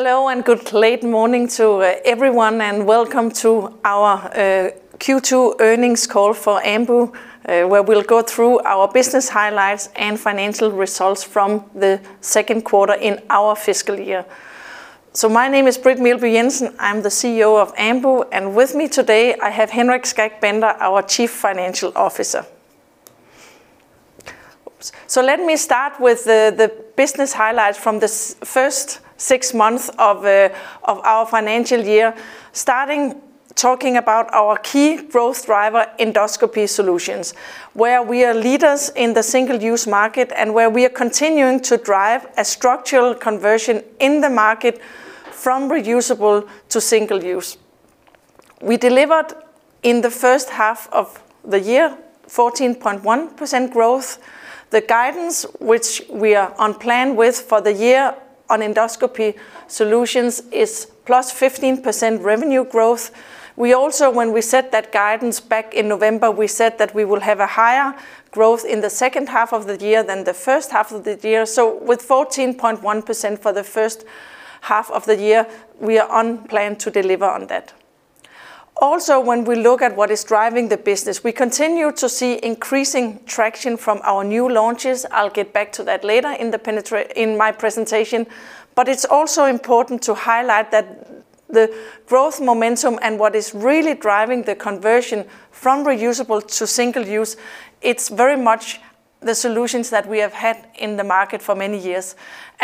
Hello, good late morning to everyone, welcome to our Q2 earnings call for Ambu, where we'll go through our business highlights and financial results from the second quarter in our fiscal year. My name is Britt Meelby Jensen. I'm the CEO of Ambu, and with me today I have Henrik Skak Bender, our Chief Financial Officer. Oops. Let me start with the business highlights from the first six months of our financial year. Starting talking about our key growth driver, Endoscopy Solutions, where we are leaders in the single-use market and where we are continuing to drive a structural conversion in the market from reusable to single-use. We delivered in the first half of the year 14.1% growth. The guidance, which we are on plan with for the year on Endoscopy Solutions, is +15% revenue growth. We also, when we set that guidance back in November, we said that we will have a higher growth in the second half of the year than the first half of the year. With 14.1% for the first half of the year, we are on plan to deliver on that. When we look at what is driving the business, we continue to see increasing traction from our new launches. I'll get back to that later in my presentation. It's also important to highlight that the growth momentum and what is really driving the conversion from reusable to single-use, it's very much the solutions that we have had in the market for many years.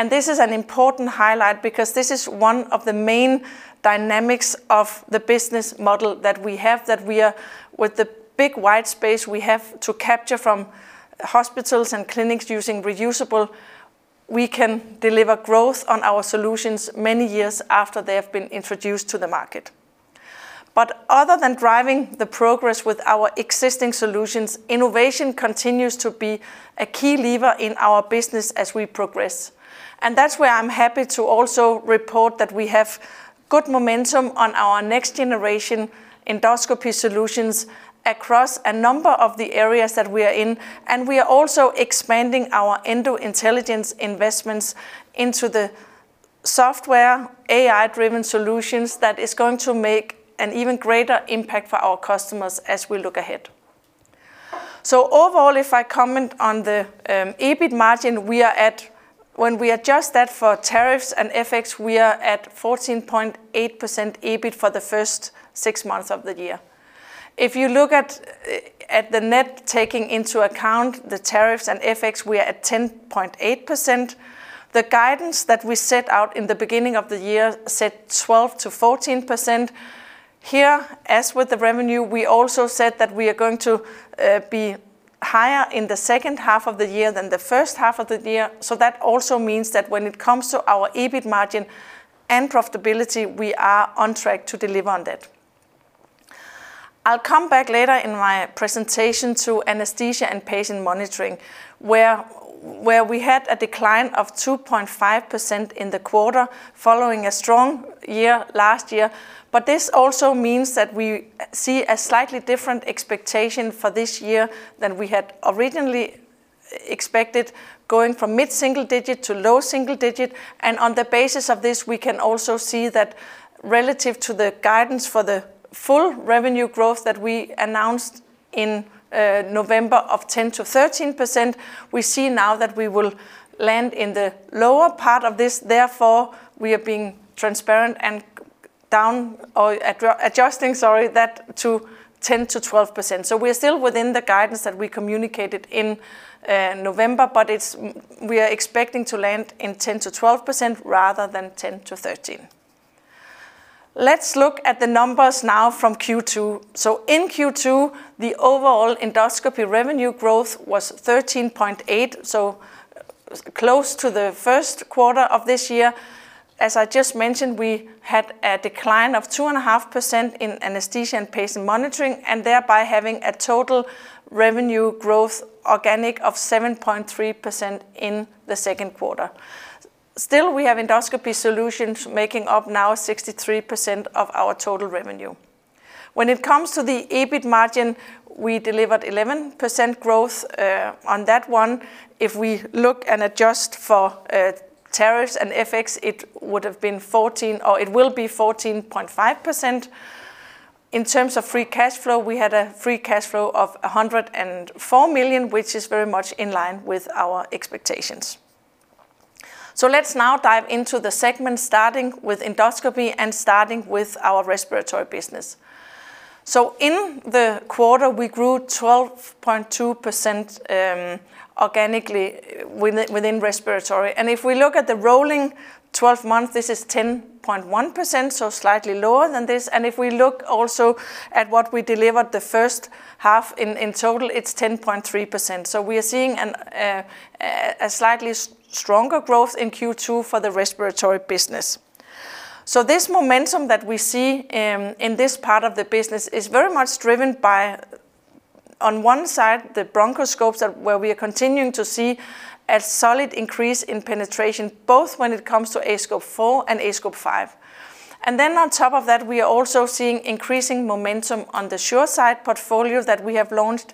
This is an important highlight because this is one of the main dynamics of the business model that we have, that we are with the big wide space we have to capture from hospitals and clinics using reusable, we can deliver growth on our solutions many years after they have been introduced to the market. Other than driving the progress with our existing solutions, innovation continues to be a key lever in our business as we progress. That's why I'm happy to also report that we have good momentum on our next generation Endoscopy Solutions across a number of the areas that we are in, and we are also expanding our EndoIntelligence investments into the software, AI-driven solutions that is going to make an even greater impact for our customers as we look ahead. Overall, if I comment on the EBIT margin we are at, when we adjust that for tariffs and FX, we are at 14.8% EBIT for the first six months of the year. If you look at the net, taking into account the tariffs and FX, we are at 10.8%. The guidance that we set out in the beginning of the year said 12%-14%. Here, as with the revenue, we also said that we are going to be higher in the second half of the year than the first half of the year. That also means that when it comes to our EBIT margin and profitability, we are on track to deliver on that. I'll come back later in my presentation to Anesthesia & Patient Monitoring, where we had a decline of 2.5% in the quarter following a strong year last year. This also means that we see a slightly different expectation for this year than we had originally expected, going from mid-single digit to low single digit. On the basis of this, we can also see that relative to the guidance for the full revenue growth that we announced in November of 10%-13%, we see now that we will land in the lower part of this. Therefore, we are being transparent and adjusting, sorry, that to 10%-12%. We are still within the guidance that we communicated in November, but we are expecting to land in 10%-12% rather than 10%-13%. Let's look at the numbers now from Q2. In Q2, the overall Endoscopy revenue growth was 13.8%, close to the first quarter of this year. As I just mentioned, we had a decline of 2.5% in Anesthesia & Patient Monitoring, and thereby having a total revenue growth organic of 7.3% in the second quarter. Still, we have Endoscopy Solutions making up now 63% of our total revenue. When it comes to the EBIT margin, we delivered 11% growth on that one. If we look and adjust for tariffs and FX, it would have been 14% or it will be 14.5%. In terms of free cash flow, we had a free cash flow of 104 million, which is very much in line with our expectations. Let's now dive into the segment, starting with Endoscopy and starting with our Respiratory business. In the quarter, we grew 12.2% organically within Respiratory. If we look at the rolling 12 months, this is 10.1%, so slightly lower than this. If we look also at what we delivered the first half in total, it's 10.3%. We are seeing a slightly stronger growth in Q2 for the Respiratory business. This momentum that we see in this part of the business is very much driven by, on one side, the bronchoscope that where we are continuing to see a solid increase in penetration, both when it comes to aScope 4 and aScope 5. On top of that, we are also seeing increasing momentum on the SureSight portfolio that we have launched.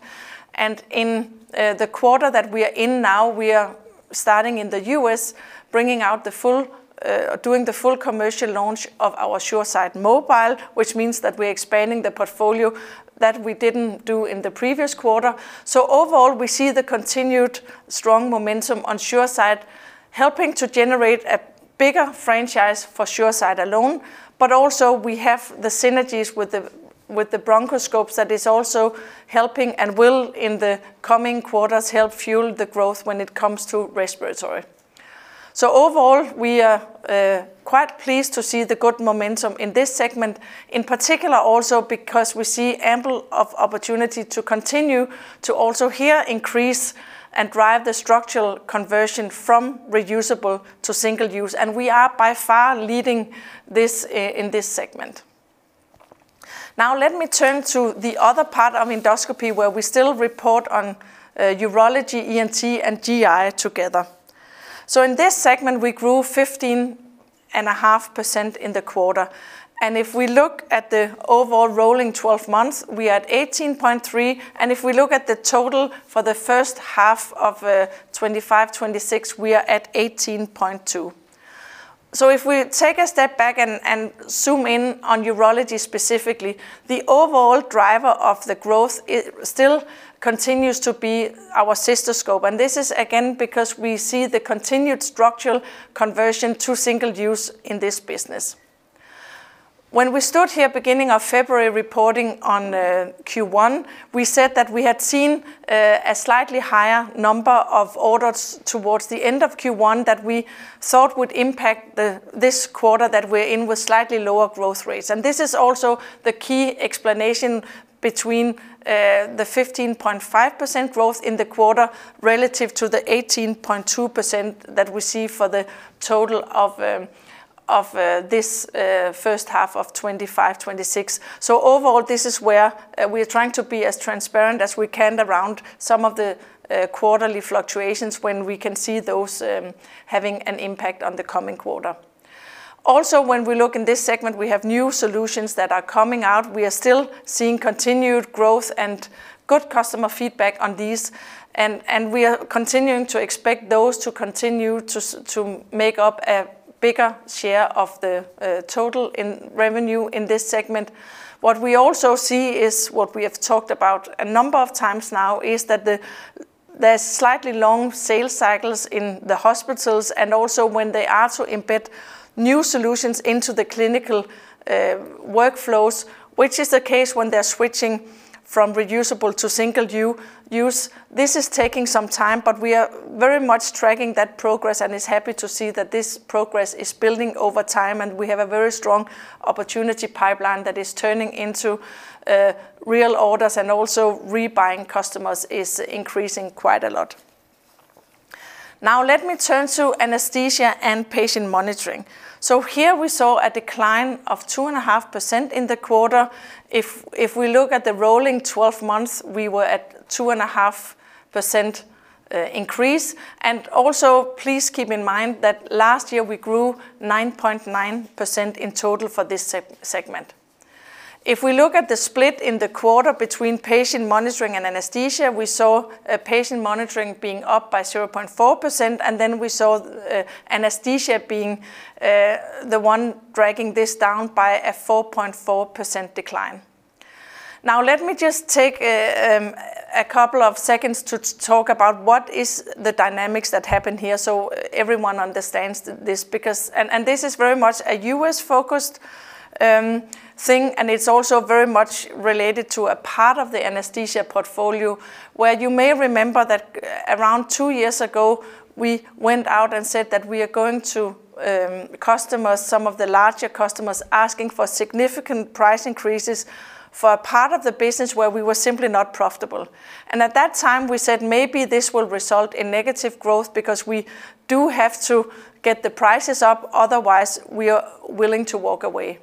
In the quarter that we are in now, we are starting in the U.S., bringing out the full, doing the full commercial launch of our SureSight Mobile, which means that we're expanding the portfolio that we didn't do in the previous quarter. Overall, we see the continued strong momentum on SureSight, helping to generate a bigger franchise for SureSight alone. Also we have the synergies with the bronchoscope that is also helping and will, in the coming quarters, help fuel the growth when it comes to respiratory. Overall, we are quite pleased to see the good momentum in this segment, in particular also because we see ample of opportunity to continue to also here increase and drive the structural conversion from reusable to single-use. We are by far leading this in this segment. Let me turn to the other part of endoscopy, where we still report on Urology, ENT, and GI together. In this segment, we grew 15.5% in the quarter. If we look at the overall rolling 12 months, we are at 18.3%. If we look at the total for the first half of 2025, 2026, we are at 18.2%. If we take a step back and zoom in on Urology specifically, the overall driver of the growth still continues to be our cystoscope. This is again because we see the continued structural conversion to single-use in this business. When we stood here beginning of February, reporting on Q1, we said that we had seen a slightly higher number of orders towards the end of Q1 that we thought would impact the this quarter that we're in with slightly lower growth rates. This is also the key explanation between the 15.5% growth in the quarter relative to the 18.2% that we see for the total of this first half of 2025, 2026. Overall, this is where we are trying to be as transparent as we can around some of the quarterly fluctuations when we can see those having an impact on the coming quarter. Also, when we look in this segment, we have new solutions that are coming out. We are still seeing continued growth and good customer feedback on these, and we are continuing to expect those to continue to make up a bigger share of the total in revenue in this segment. What we also see is, what we have talked about a number of times now, is that there is slightly long sales cycles in the hospitals, and also when they are to embed new solutions into the clinical workflows, which is the case when they are switching from reusable to single use. This is taking some time. We are very much tracking that progress and is happy to see that this progress is building over time and we have a very strong opportunity pipeline that is turning into real orders and also rebuying customers is increasing quite a lot. Let me turn to Anesthesia & Patient Monitoring. Here we saw a decline of 2.5% in the quarter. If we look at the rolling 12 months, we were at 2.5% increase. Please keep in mind that last year we grew 9.9% in total for this segment. If we look at the split in the quarter between patient monitoring and anesthesia, we saw patient monitoring being up by 0.4%, we saw anesthesia being the one dragging this down by a 4.4% decline. Let me just take a couple of seconds to talk about what is the dynamics that happen here so everyone understands this because this is very much a U.S.-focused thing, and it's also very much related to a part of the Anesthesia portfolio, where you may remember that around two years ago, we went out and said that we are going to customers, some of the larger customers, asking for significant price increases for a part of the business where we were simply not profitable. At that time, we said, "Maybe this will result in negative growth because we do have to get the prices up, otherwise we are willing to walk away."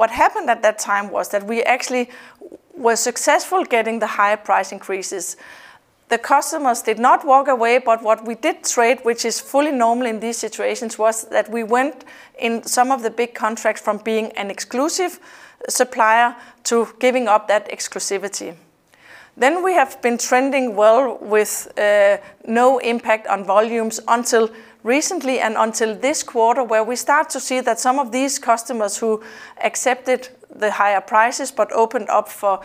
What happened at that time was that we actually were successful getting the higher price increases. The customers did not walk away, but what we did trade, which is fully normal in these situations, was that we went in some of the big contracts from being an exclusive supplier to giving up that exclusivity. We have been trending well with no impact on volumes until recently and until this quarter, where we start to see that some of these customers who accepted the higher prices but opened up for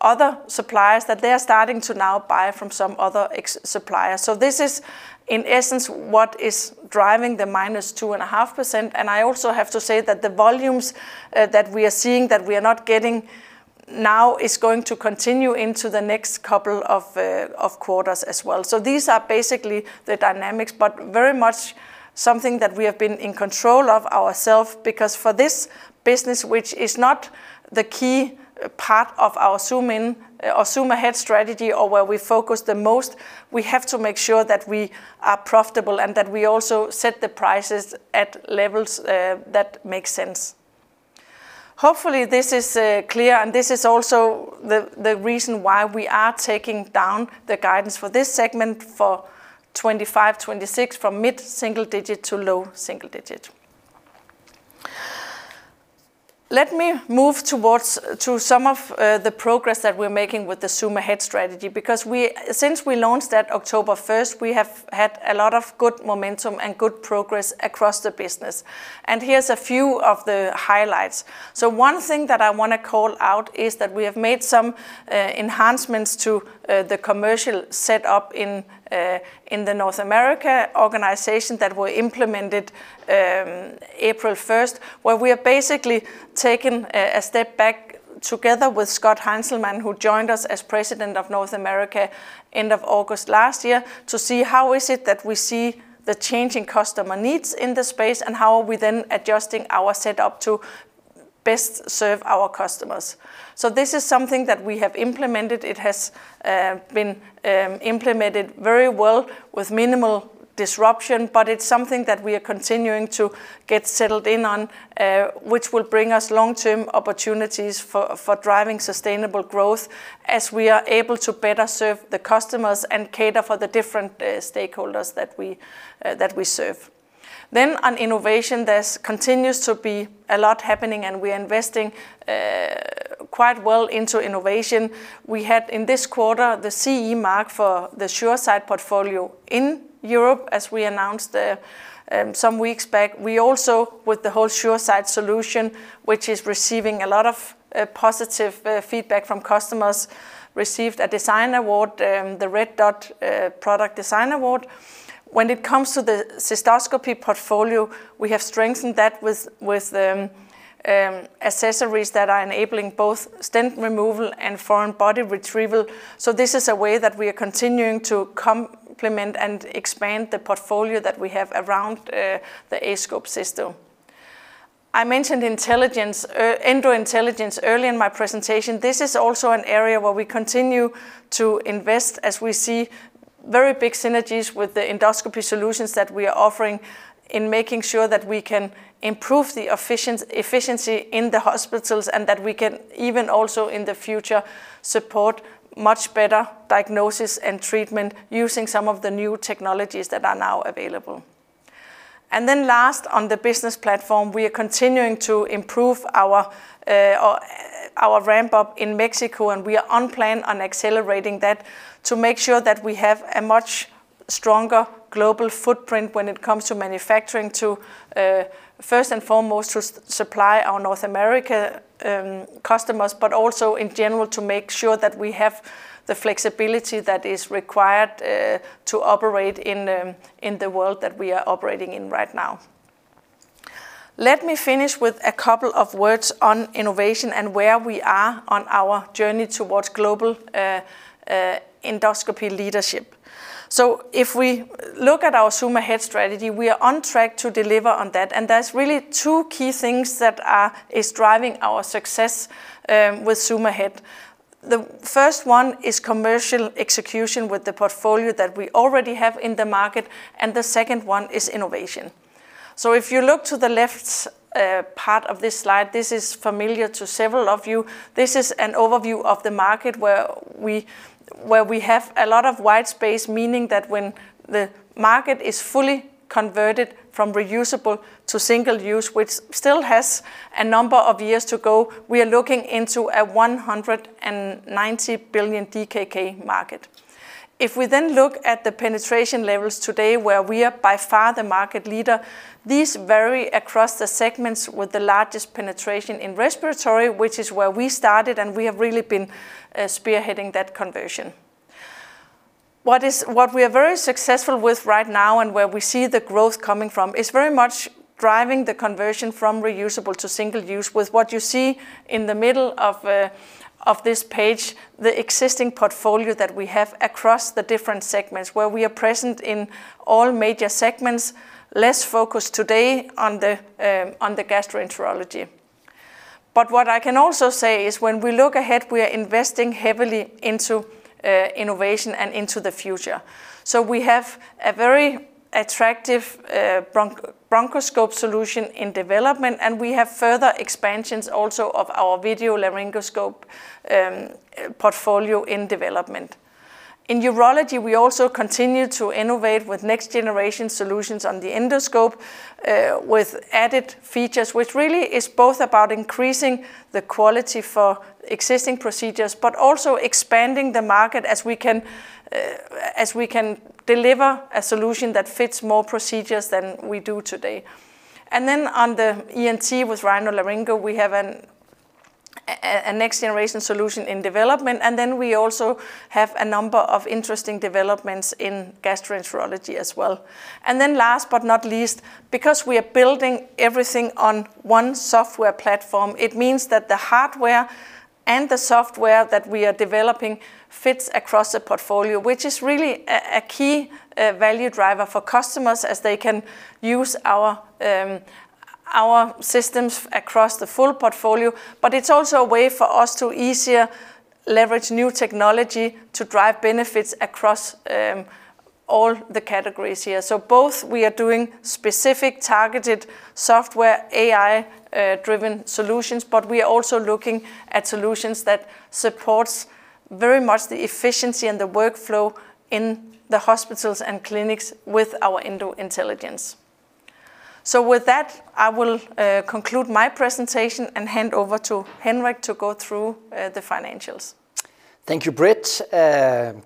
other suppliers, that they are starting to now buy from some other ex- suppliers. This is, in essence, what is driving the -2.5%. I also have to say that the volumes that we are seeing, that we are not getting now is going to continue into the next couple of quarters as well. These are basically the dynamics, but very much something that we have been in control of ourselves, because for this business, which is not the key part of our ZOOM IN or ZOOM AHEAD strategy or where we focus the most, we have to make sure that we are profitable and that we also set the prices at levels that make sense. Hopefully this is clear, and this is also the reason why we are taking down the guidance for this segment for 2025, 2026 from mid-single digit to low single digit. Let me move towards to some of the progress that we're making with the ZOOM AHEAD strategy, because since we launched that October 1st, we have had a lot of good momentum and good progress across the business, and here's a few of the highlights. One thing that I wanna call out is that we have made some enhancements to the commercial setup in the North America organization that were implemented April 1st, where we are basically taking a step back together with Scott Heinzelman, who joined us as President of North America end of August last year, to see how is it that we see the changing customer needs in the space, and how are we then adjusting our setup to best serve our customers. This is something that we have implemented. It has been implemented very well with minimal disruption, but it's something that we are continuing to get settled in on, which will bring us long-term opportunities for driving sustainable growth as we are able to better serve the customers and cater for the different stakeholders that we that we serve. On innovation, there's continues to be a lot happening, and we're investing quite well into innovation. We had in this quarter the CE mark for the SureSight portfolio in Europe as we announced some weeks back. We also, with the whole SureSight solution, which is receiving a lot of positive feedback from customers, received a design award, the Red Dot Product Design Award. When it comes to the cystoscopy portfolio, we have strengthened that with accessories that are enabling both stent removal and foreign body retrieval. This is a way that we are continuing to complement and expand the portfolio that we have around the aScope system. I mentioned intelligence, EndoIntelligence early in my presentation. This is also an area where we continue to invest as we see very big synergies with the Endoscopy Solutions that we are offering in making sure that we can improve the efficiency in the hospitals and that we can even also in the future support much better diagnosis and treatment using some of the new technologies that are now available. Last, on the business platform, we are continuing to improve our ramp up in Mexico, and we are on plan on accelerating that to make sure that we have a much stronger global footprint when it comes to manufacturing to, first and foremost to supply our North America customers, but also in general to make sure that we have the flexibility that is required to operate in the world that we are operating in right now. Let me finish with a couple of words on innovation and where we are on our journey towards global endoscopy leadership. If we look at our ZOOM AHEAD strategy, we are on track to deliver on that, and there's really two key things that are, is driving our success with ZOOM AHEAD. The first one is commercial execution with the portfolio that we already have in the market, and the second one is innovation. If you look to the left part of this slide, this is familiar to several of you. This is an overview of the market where we have a lot of white space, meaning that when the market is fully converted from reusable to single-use, which still has a number of years to go, we are looking into a 190 billion DKK market. If we look at the penetration levels today, where we are by far the market leader, these vary across the segments with the largest penetration in Respiratory, which is where we started, and we have really been spearheading that conversion. What we are very successful with right now and where we see the growth coming from is very much driving the conversion from reusable to single-use with what you see in the middle of this page, the existing portfolio that we have across the different segments, where we are present in all major segments, less focused today on the gastroenterology. What I can also say is when we look ahead, we are investing heavily into innovation and into the future. We have a very attractive bronchoscope solution in development, and we have further expansions also of our video laryngoscope portfolio in development. In Urology, we also continue to innovate with next-generation solutions on the endoscope, with added features, which really is both about increasing the quality for existing procedures but also expanding the market as we can deliver a solution that fits more procedures than we do today. On the ENT with RhinoLaryngo, we have a next-generation solution in development, and then we also have a number of interesting developments in gastroenterology as well. Last but not least, because we are building everything on one software platform, it means that the hardware and the software that we are developing fits across the portfolio, which is really a key value driver for customers as they can use our systems across the full portfolio. It's also a way for us to easier leverage new technology to drive benefits across all the categories here. Both we are doing specific targeted software AI driven solutions, but we are also looking at solutions that supports very much the efficiency and the workflow in the hospitals and clinics with our EndoIntelligence. With that, I will conclude my presentation and hand over to Henrik to go through the financials. Thank you, Britt.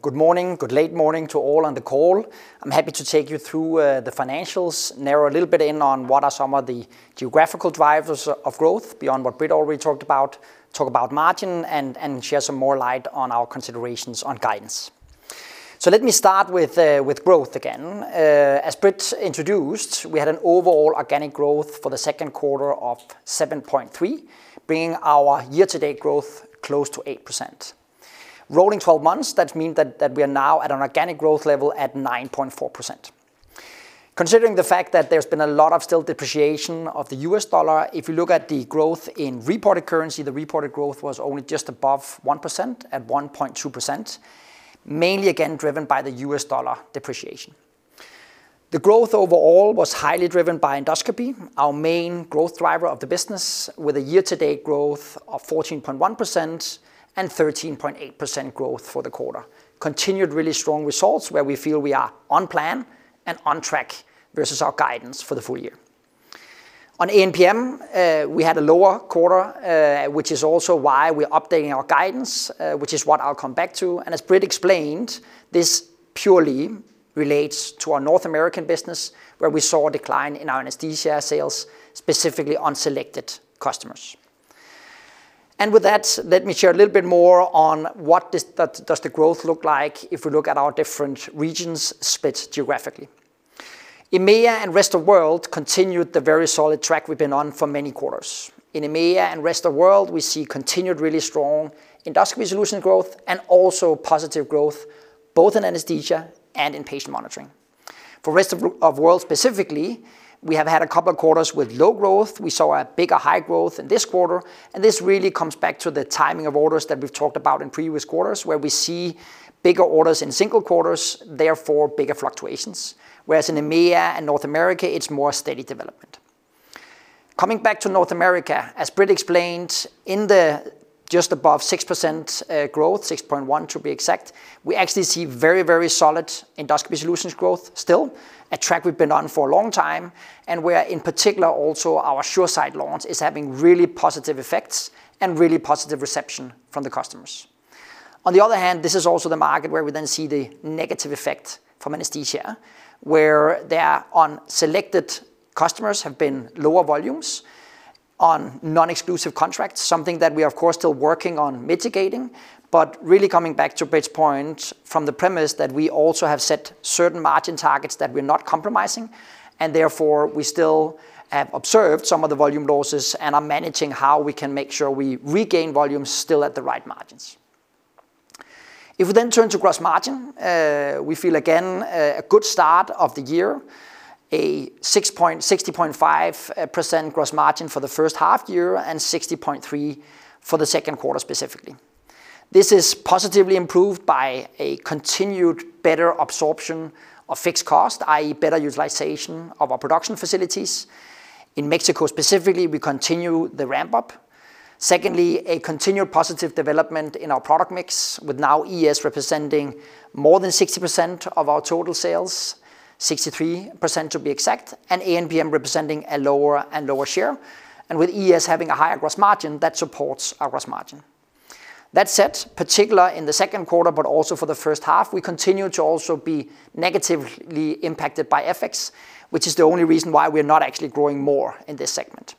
Good morning, good late morning to all on the call. I'm happy to take you through the financials, narrow a little bit in on what are some of the geographical drivers of growth beyond what Britt already talked about, talk about margin and shed some more light on our considerations on guidance. Let me start with growth again. As Britt introduced, we had an overall organic growth for the second quarter of 7.3%, bringing our year-to-date growth close to 8%. Rolling 12 months, that means that we are now at an organic growth level at 9.4%. Considering the fact that there's been a lot of still depreciation of the U.S. dollar, if you look at the growth in reported currency, the reported growth was only just above 1%, at 1.2%, mainly again, driven by the U.S. dollar depreciation. The growth overall was highly driven by endoscopy, our main growth driver of the business, with a year-to-date growth of 14.1% and 13.8% growth for the quarter. Continued really strong results where we feel we are on plan and on track versus our guidance for the full year. On A&PM, we had a lower quarter, which is also why we're updating our guidance, which is what I'll come back to. As Britt explained, this purely relates to our North American business, where we saw a decline in our anesthesia sales, specifically on selected customers. With that, let me share a little bit more on what does the growth look like if we look at our different regions split geographically. EMEA and Rest of World continued the very solid track we've been on for many quarters. In EMEA and Rest of World, we see continued really strong Endoscopy Solutions growth and also positive growth both in Anesthesia and in Patient Monitoring. For Rest of World specifically, we have had a couple of quarters with low growth. We saw a bigger high growth in this quarter, this really comes back to the timing of orders that we've talked about in previous quarters, where we see bigger orders in single quarters, therefore bigger fluctuations. Whereas in EMEA and North America, it's more steady development. Coming back to North America, as Britt explained, in the just above 6% growth, 6.1% to be exact, we actually see very, very solid Endoscopy Solutions growth still, a track we've been on for a long time, and where in particular also our SureSight launch is having really positive effects and really positive reception from the customers. On the other hand, this is also the market where we then see the negative effect from anesthesia, where there on selected customers have been lower volumes on non-exclusive contracts, something that we are of course still working on mitigating. Really coming back to Britt's point from the premise that we also have set certain margin targets that we're not compromising, and therefore we still have observed some of the volume losses and are managing how we can make sure we regain volume still at the right margins. We then turn to gross margin, we feel again a good start of the year, a 60.5% gross margin for the first half year and 60.3% for the second quarter specifically. This is positively improved by a continued better absorption of fixed cost, i.e. better utilization of our production facilities. In Mexico specifically, we continue the ramp up. Secondly, a continued positive development in our product mix with now ES representing more than 60% of our total sales, 63% to be exact, and A&PM representing a lower and lower share. With ES having a higher gross margin, that supports our gross margin. That said, particular in the second quarter, but also for the first half, we continue to also be negatively impacted by FX, which is the only reason why we are not actually growing more in this segment.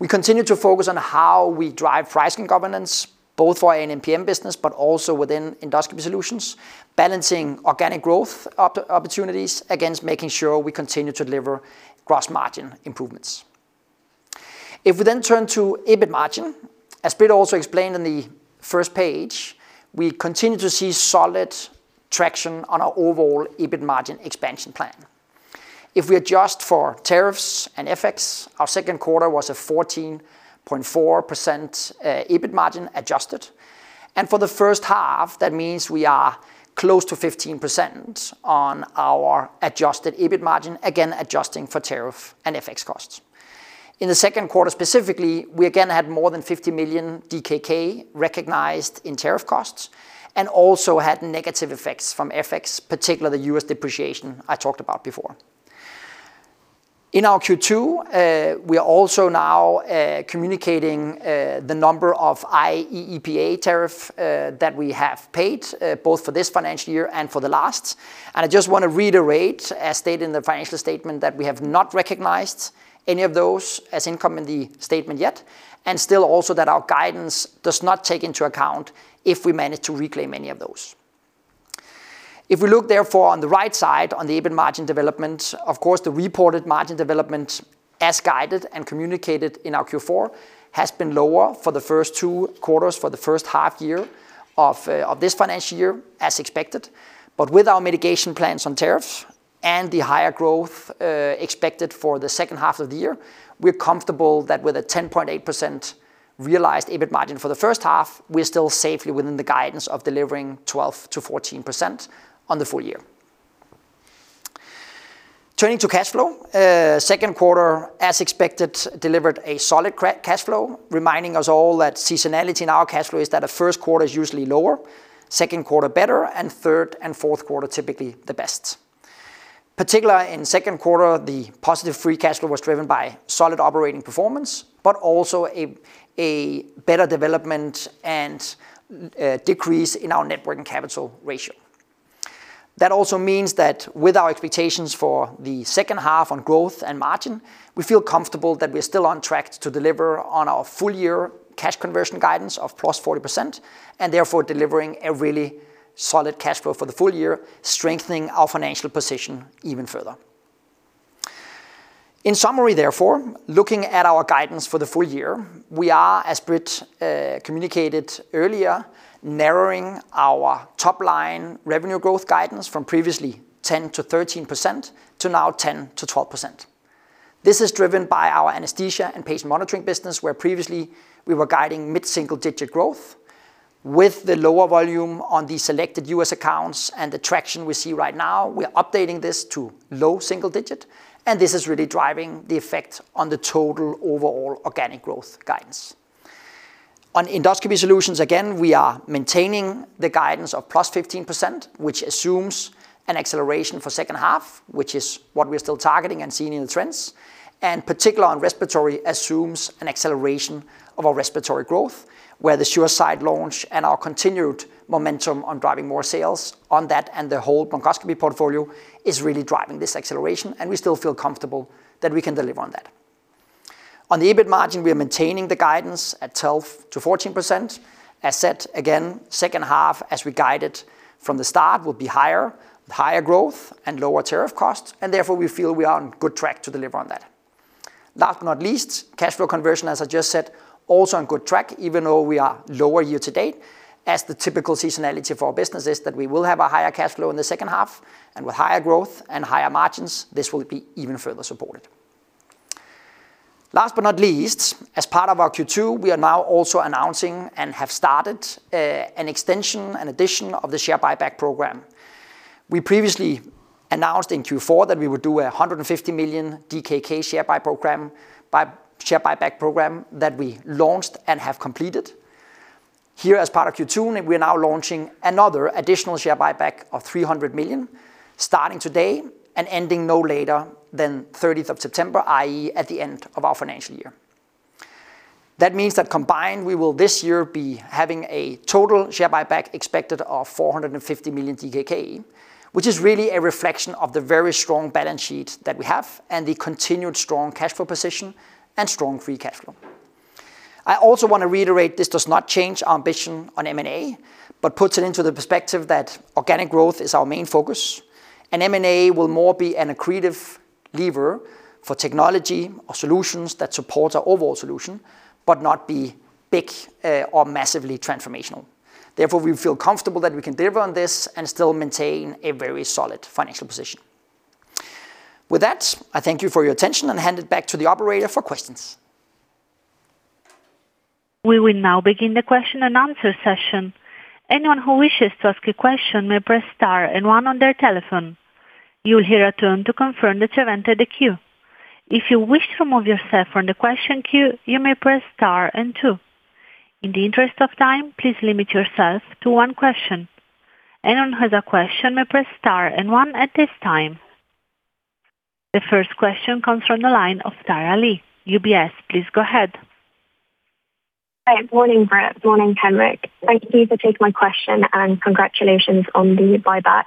We continue to focus on how we drive pricing governance, both for our A&PM business, but also within Endoscopy Solutions, balancing organic growth opportunities against making sure we continue to deliver gross margin improvements. If we then turn to EBIT margin, as Britt also explained on the first page, we continue to see solid traction on our overall EBIT margin expansion plan. If we adjust for tariffs and FX, our second quarter was a 14.4% EBIT margin adjusted. For the first half, that means we are close to 15% on our adjusted EBIT margin, again adjusting for tariff and FX costs. In the second quarter specifically, we again had more than 50 million DKK recognized in tariff costs and also had negative effects from FX, particularly the U.S. depreciation I talked about before. In our Q2, we are also now communicating the number of IEEPA tariff that we have paid both for this financial year and for the last. I just want to reiterate, as stated in the financial statement, that we have not recognized any of those as income in the statement yet, and still also that our guidance does not take into account if we manage to reclaim any of those. We look therefore on the right side on the EBIT margin development, of course, the reported margin development as guided and communicated in our Q4 has been lower for the first two quarters for the first half year of this financial year as expected. With our mitigation plans on tariffs and the higher growth expected for the second half of the year, we're comfortable that with a 10.8% realized EBIT margin for the first half, we're still safely within the guidance of delivering 12%-14% on the full year. Turning to cash flow, second quarter, as expected, delivered a solid cash flow, reminding us all that seasonality in our cash flow is that our first quarter is usually lower, second quarter better, and third and fourth quarter typically the best. Particular in second quarter, the positive free cash flow was driven by solid operating performance, but also a better development and decrease in our net working capital ratio. That also means that with our expectations for the second half on growth and margin, we feel comfortable that we're still on track to deliver on our full year cash conversion guidance of +40%, and therefore delivering a really solid cash flow for the full year, strengthening our financial position even further. In summary, therefore, looking at our guidance for the full year, we are, as Britt communicated earlier, narrowing our top line revenue growth guidance from previously 10%-13% to now 10%-12%. This is driven by our Anesthesia & Patient Monitoring business, where previously we were guiding mid-single-digit growth. With the lower volume on the selected U.S. accounts and the traction we see right now, we're updating this to low single-digit, and this is really driving the effect on the total overall organic growth guidance. On Endoscopy Solutions, again, we are maintaining the guidance of +15%, which assumes an acceleration for second half, which is what we're still targeting and seeing in the trends. Particular on Respiratory assumes an acceleration of our Respiratory growth, where the SureSight launch and our continued momentum on driving more sales on that and the whole bronchoscopy portfolio is really driving this acceleration, and we still feel comfortable that we can deliver on that. On the EBIT margin, we are maintaining the guidance at 12%-14%. As said, again, second half as we guided from the start will be higher, with higher growth and lower tariff costs, and therefore we feel we are on good track to deliver on that. Last but not least, cash flow conversion, as I just said, also on good track even though we are lower year to date, as the typical seasonality for our business is that we will have a higher cash flow in the second half, and with higher growth and higher margins, this will be even further supported. Last but not least, as part of our Q2, we are now also announcing and have started an extension and addition of the share buyback program. We previously announced in Q4 that we would do 150 million DKK share buyback program that we launched and have completed. Here as part of Q2, we are now launching another additional share buyback of 300 million, starting today and ending no later than 30th of September, i.e., at the end of our financial year. That means that combined, we will this year be having a total share buyback expected of 450 million DKK, which is really a reflection of the very strong balance sheet that we have and the continued strong cash flow position and strong free cash flow. I also want to reiterate this does not change our ambition on M&A, but puts it into the perspective that organic growth is our main focus, and M&A will more be an accretive lever for technology or solutions that support our overall solution, but not be big or massively transformational. We feel comfortable that we can deliver on this and still maintain a very solid financial position. With that, I thank you for your attention and hand it back to the operator for questions. We will now begin the question and answer session. Anyone who wishes to ask a question may press star and one on their telephone. You will hear a tone to confirm that you have entered the queue. If you wish to remove yourself from the question queue, you may press star and two. In the interest of time, please limit yourself to one question. Anyone who has a question may press star and one at this time. The first question comes from the line of Thyra Lee, UBS. Please go ahead. Hi. Morning, Britt. Morning, Henrik. Thank you for taking my question, and congratulations on the buyback.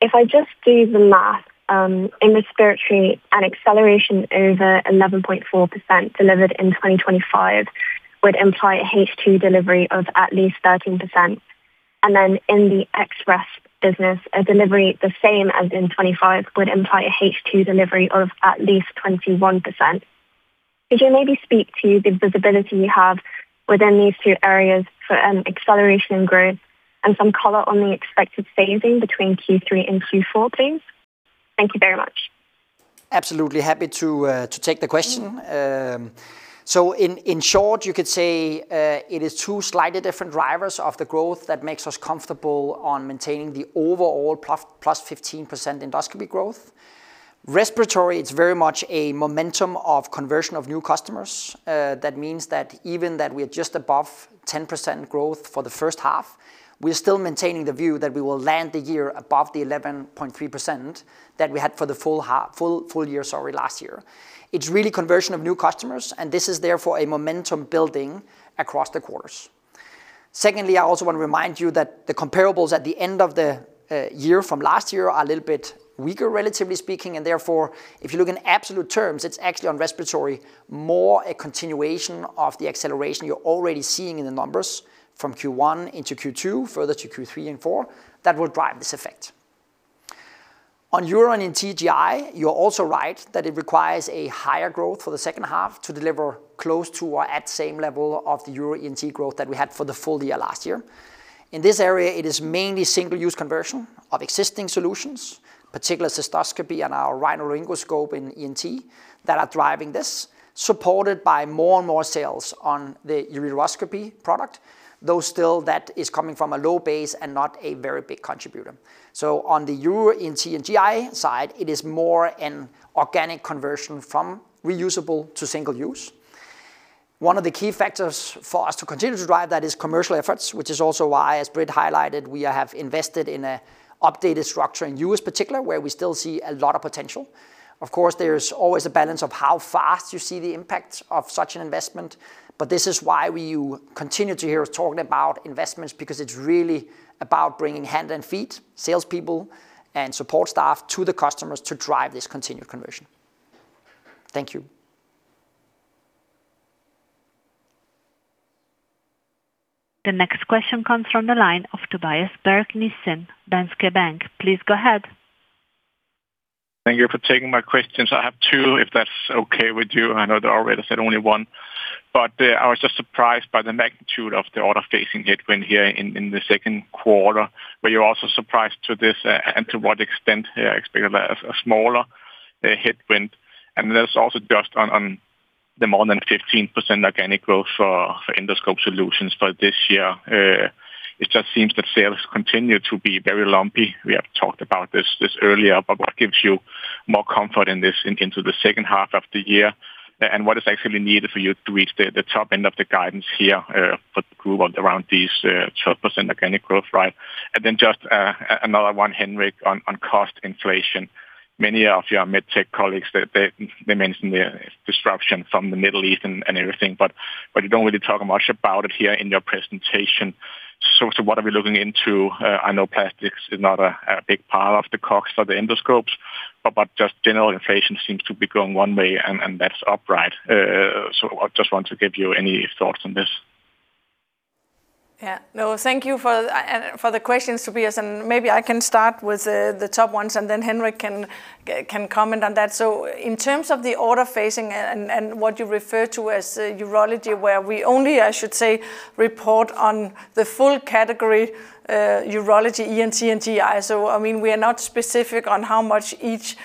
If I just do the math, in Respiratory, an acceleration over 11.4% delivered in 2025 would imply a H2 delivery of at least 13%. Then in the Resp business, a delivery the same as in 2025 would imply a H2 delivery of at least 21%. Could you maybe speak to the visibility you have within these two areas for an acceleration in growth and some color on the expected phasing between Q3 and Q4, please? Thank you very much. Absolutely happy to take the question. In, in short, you could say, it is two slightly different drivers of the growth that makes us comfortable on maintaining the overall +15% Endoscopy growth. Respiratory, it's very much a momentum of conversion of new customers. That means that even that we're just above 10% growth for the first half, we're still maintaining the view that we will land the year above the 11.3% that we had for the full year, sorry, last year. It's really conversion of new customers, this is therefore a momentum building across the quarters. Secondly, I also want to remind you that the comparables at the end of the year from last year are a little bit weaker, relatively speaking. Therefore, if you look in absolute terms, it is actually on Respiratory more a continuation of the acceleration you are already seeing in the numbers from Q1 into Q2, further to Q3 and Q4, that will drive this effect. On Urology, ENT, and GI, you are also right that it requires a higher growth for the second half to deliver close to or at same level of the Urology, ENT, and GI growth that we had for the full year last year. In this area, it is mainly single-use conversion of existing solutions, particular cystoscopy and our RhinoLaryngoscope in ENT that are driving this, supported by more and more sales on the Uroloscopy product, though still that is coming from a low base and not a very big contributor. On the Urology, ENT, and GI side, it is more an organic conversion from reusable to single-use. One of the key factors for us to continue to drive that is commercial efforts, which is also why, as Britt highlighted, we have invested in a updated structure in U.S. particular, where we still see a lot of potential. There's always a balance of how fast you see the impact of such an investment, but this is why we continue to hear us talking about investments, because it's really about bringing hand and feet, salespeople, and support staff to the customers to drive this continued conversion. Thank you. The next question comes from the line of Tobias Berg Nissen, Danske Bank. Please go ahead. Thank you for taking my questions. I have two, if that's okay with you. I know they already said only one. I was just surprised by the magnitude of the order facing headwind here in the second quarter. Were you also surprised to this and to what extent? I expected a smaller headwind. There's also just on the more than 15% organic growth for Endoscopy Solutions for this year. It just seems that sales continue to be very lumpy. We have talked about this earlier, but what gives you more comfort into the second half of the year? And what is actually needed for you to reach the top end of the guidance here for the group around 12% organic growth, right? Another one, Henrik, on cost inflation. Many of your MedTech colleagues, they mention the disruption from the Middle East and everything, but you don't really talk much about it here in your presentation. What are we looking into? I know plastics is not a big part of the cost of the endoscopes, but just general inflation seems to be going one way, and that's upright. I just want to give you any thoughts on this. Thank you for the questions, Tobias. Maybe I can start with the top ones. Henrik can comment on that. In terms of the order phasing and what you refer to as Urology, where we only, I should say, report on the full category, Urology, ENT, and GI. I mean, we are not specific on how much each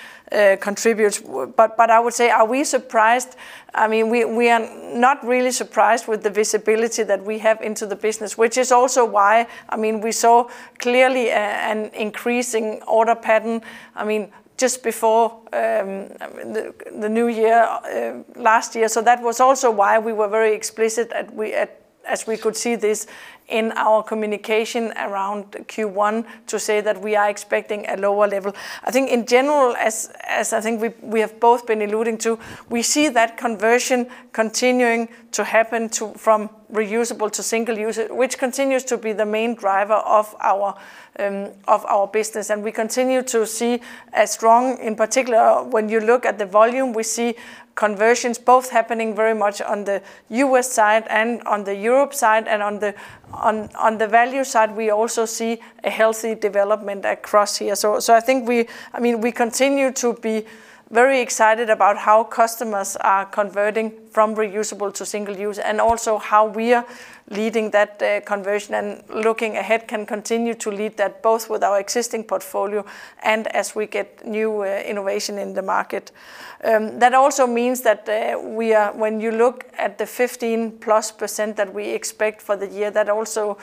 contributes. I would say, are we surprised? I mean, we are not really surprised with the visibility that we have into the business, which is also why, I mean, we saw clearly an increasing order pattern, I mean, just before the new year last year. That was also why we were very explicit as we could see this in our communication around Q1 to say that we are expecting a lower level. I think in general, as I think we have both been alluding to, we see that conversion continuing to happen to, from reusable to single-use, which continues to be the main driver of our business. We continue to see a strong, in particular, when you look at the volume, we see conversions both happening very much on the U.S. side and on the Europe side. On the value side, we also see a healthy development across here. I mean, we continue to be very excited about how customers are converting from reusable to single-use, and also how we are leading that conversion and looking ahead can continue to lead that both with our existing portfolio and as we get new innovation in the market. That also means that when you look at the 15%+ that we expect for the year, that also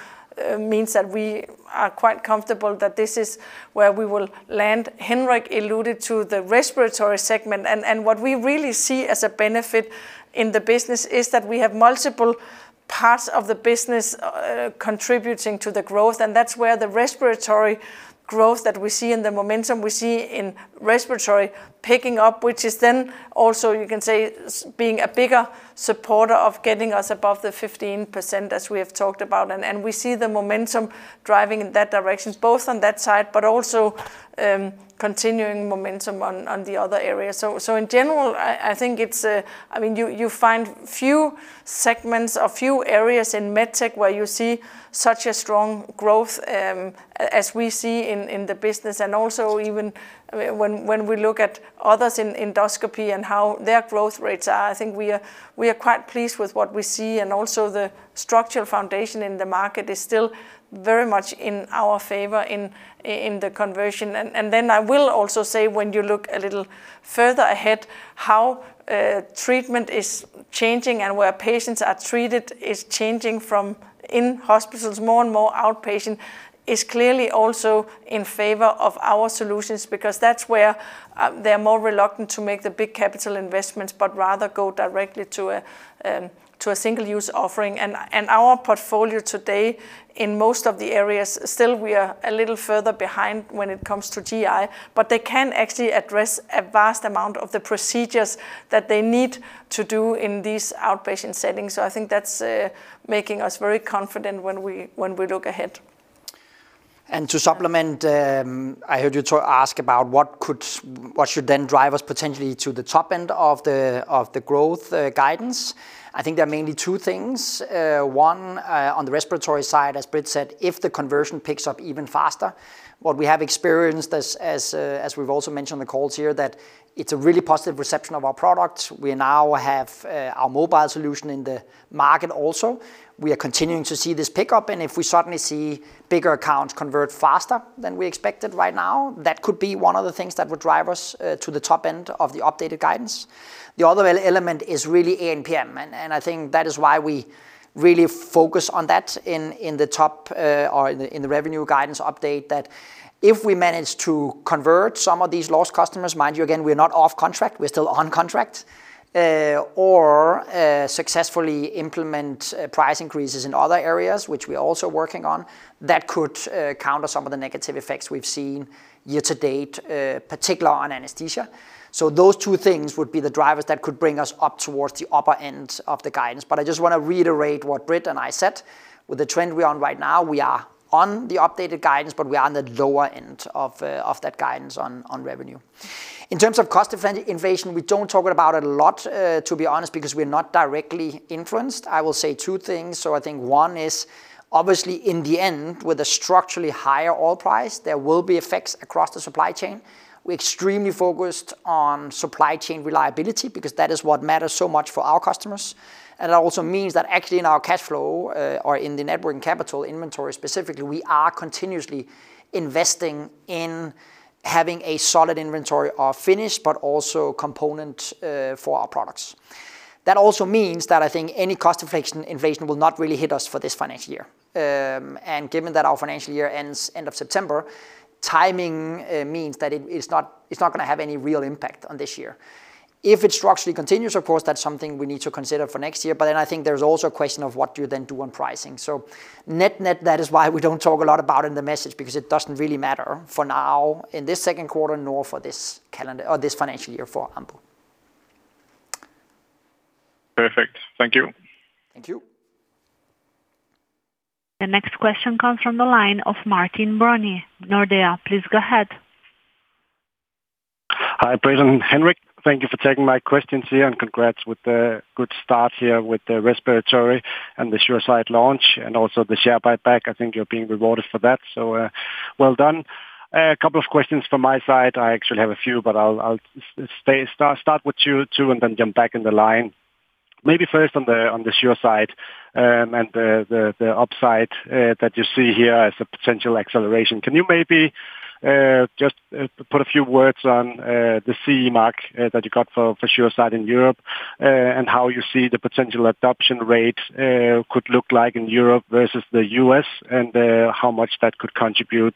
means that we are quite comfortable that this is where we will land. Henrik alluded to the Respiratory segment, and what we really see as a benefit in the business is that we have multiple parts of the business contributing to the growth, and that's where the Respiratory growth that we see and the momentum we see in Respiratory picking up, which is then also, you can say, being a bigger supporter of getting us above the 15%, as we have talked about. We see the momentum driving in that direction, both on that side, but also continuing momentum on the other areas. In general, I think it's, I mean, you find few segments or few areas in MedTech where you see such a strong growth, as we see in the business. Also even when we look at others in endoscopy and how their growth rates are, I think we are quite pleased with what we see. Also the structural foundation in the market is still very much in our favor in the conversion. Then I will also say when you look a little further ahead, how treatment is changing and where patients are treated is changing from in hospitals, more and more outpatient is clearly also in favor of our solutions because that's where they are more reluctant to make the big capital investments, but rather go directly to a single-use offering. Our portfolio today in most of the areas, still we are a little further behind when it comes to GI, but they can actually address a vast amount of the procedures that they need to do in these outpatient settings. I think that's making us very confident when we look ahead. To supplement, I heard you to ask about what could, what should then drive us potentially to the top end of the growth guidance. I think there are mainly two things. One, on the respiratory side, as Britt said, if the conversion picks up even faster. What we have experienced as we've also mentioned on the calls here that it's a really positive reception of our products. We now have our mobile solution in the market also. We are continuing to see this pick up, and if we certainly see bigger accounts convert faster than we expected right now, that could be one of the things that would drive us to the top end of the updated guidance. The other element is really A&PM, and I think that is why we really focus on that in the top or in the revenue guidance update that if we manage to convert some of these lost customers, mind you, again, we're not off contract, we're still on contract. Or successfully implement price increases in other areas, which we are also working on, that could counter some of the negative effects we've seen year-to-date, particular on Anesthesia. Those two things would be the drivers that could bring us up towards the upper end of the guidance. I just wanna reiterate what Britt and I said. With the trend we're on right now, we are on the updated guidance, but we are on the lower end of that guidance on revenue. In terms of cost inflation, we don't talk about it a lot, to be honest, because we're not directly influenced. I will say two things. I think one is obviously in the end, with a structurally higher oil price, there will be effects across the supply chain. We're extremely focused on supply chain reliability because that is what matters so much for our customers. It also means that actually in our cash flow, or in the net working capital inventory specifically, we are continuously investing in having a solid inventory of finished, but also component, for our products. That also means that I think any cost inflation will not really hit us for this financial year. Given that our financial year ends end of September, timing means that it is not, it's not gonna have any real impact on this year. If it structurally continues, of course, that's something we need to consider for next year. I think there's also a question of what you then do on pricing. Net-net, that is why we don't talk a lot about it in the message because it doesn't really matter for now in this second quarter, nor for this calendar or this financial year for Ambu. Perfect. Thank you. Thank you. The next question comes from the line of Martin Brenøe, Nordea. Please go ahead. Hi, Britt and Henrik. Thank you for taking my questions here, and congrats with the good start here with the respiratory and the SureSight launch and also the share buyback. I think you're being rewarded for that. Well done. A couple of questions from my side. I actually have a few. I'll start with two and jump back in the line. Maybe first on the SureSight, and the upside that you see here as a potential acceleration. Can you maybe just put a few words on the CE mark that you got for SureSight in Europe, and how you see the potential adoption rate could look like in Europe versus the U.S. and how much that could contribute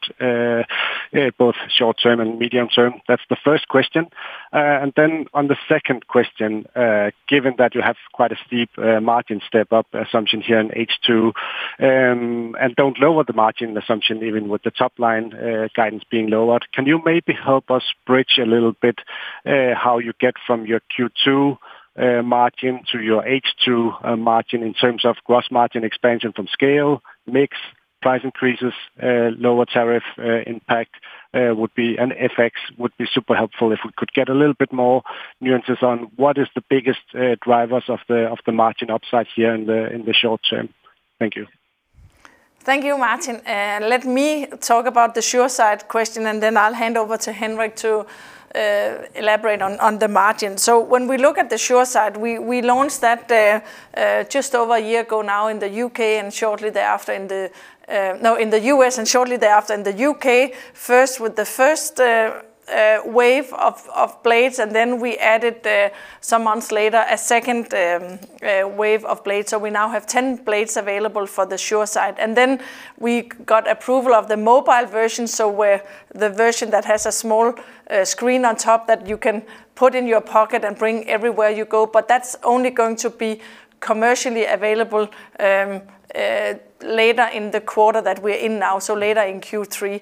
both short-term and medium-term? That's the first question. Then on the second question, given that you have quite a steep margin step up assumption here in H2, and don't lower the margin assumption even with the top line guidance being lowered, can you maybe help us bridge a little bit how you get from your Q2 margin to your H2 margin in terms of gross margin expansion from scale, mix, price increases, lower tariff impact, and FX would be super helpful if we could get a little bit more nuances on what is the biggest drivers of the margin upside here in the short term. Thank you. Thank you, Martin. Let me talk about the SureSight question, and then I'll hand over to Henrik to elaborate on the margin. When we look at the SureSight, we launched that just over one year ago now in the U.K. and shortly thereafter in the, No, in the U.S. and shortly thereafter in the U.K., first with the first wave of blades, and then we added some months later, a second wave of blades. We now have 10 blades available for the SureSight. Then we got approval of the mobile version, so where the version that has a small screen on top that you can put in your pocket and bring everywhere you go, but that's only going to be commercially available later in the quarter that we're in now, so later in Q3.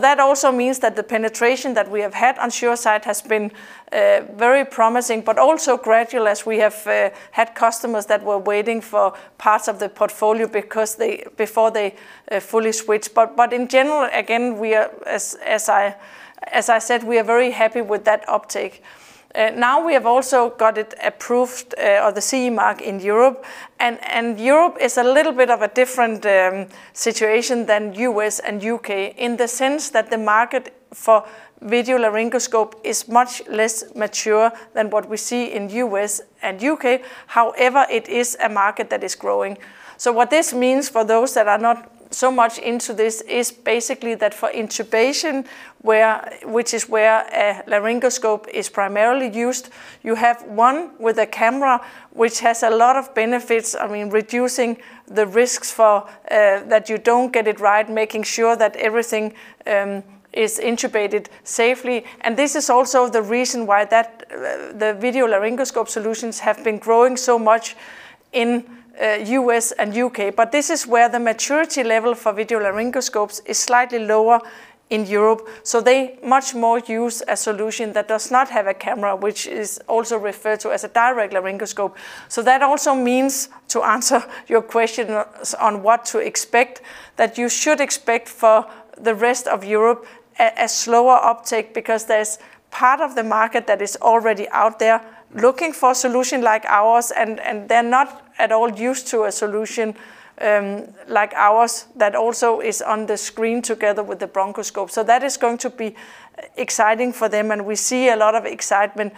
That also means that the penetration that we have had on SureSight has been very promising, but also gradual as we have had customers that were waiting for parts of the portfolio because they, before they fully switch. In general, again, we are, as I said, we are very happy with that uptake. Now we have also got it approved or the CE mark in Europe. Europe is a little bit of a different situation than U.S. and U.K. in the sense that the market for video laryngoscope is much less mature than what we see in U.S. and U.K. However, it is a market that is growing. What this means for those that are not so much into this is basically that for intubation, which is where a laryngoscope is primarily used, you have one with a camera which has a lot of benefits, I mean, reducing the risks for that you don't get it right, making sure that everything is intubated safely. This is also the reason why that the video laryngoscope solutions have been growing so much in U.S. and U.K. This is where the maturity level for video laryngoscopes is slightly lower in Europe, so they much more use a solution that does not have a camera, which is also referred to as a direct laryngoscope. That also means, to answer your question on what to expect, that you should expect for the rest of Europe a slower uptake because there's part of the market that is already out there looking for a solution like ours, and they're not at all used to a solution like ours that also is on the screen together with the bronchoscope. That is going to be exciting for them, and we see a lot of excitement.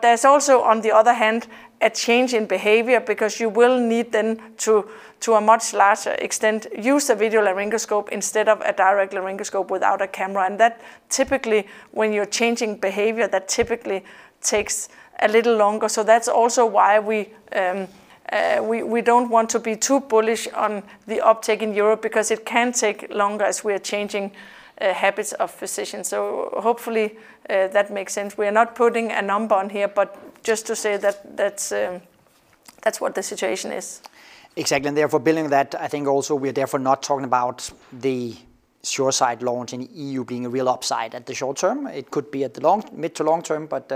There's also, on the other hand, a change in behavior because you will need then to a much larger extent use a video laryngoscope instead of a direct laryngoscope without a camera. That typically, when you're changing behavior, that typically takes a little longer. That's also why we don't want to be too bullish on the uptake in Europe because it can take longer as we are changing habits of physicians. Hopefully, that makes sense. We are not putting a number on here, but just to say that that's what the situation is. Exactly. Therefore building that, I think also we are therefore not talking about the SureSight launch in E.U. being a real upside at the short term. It could be at the mid to long term, but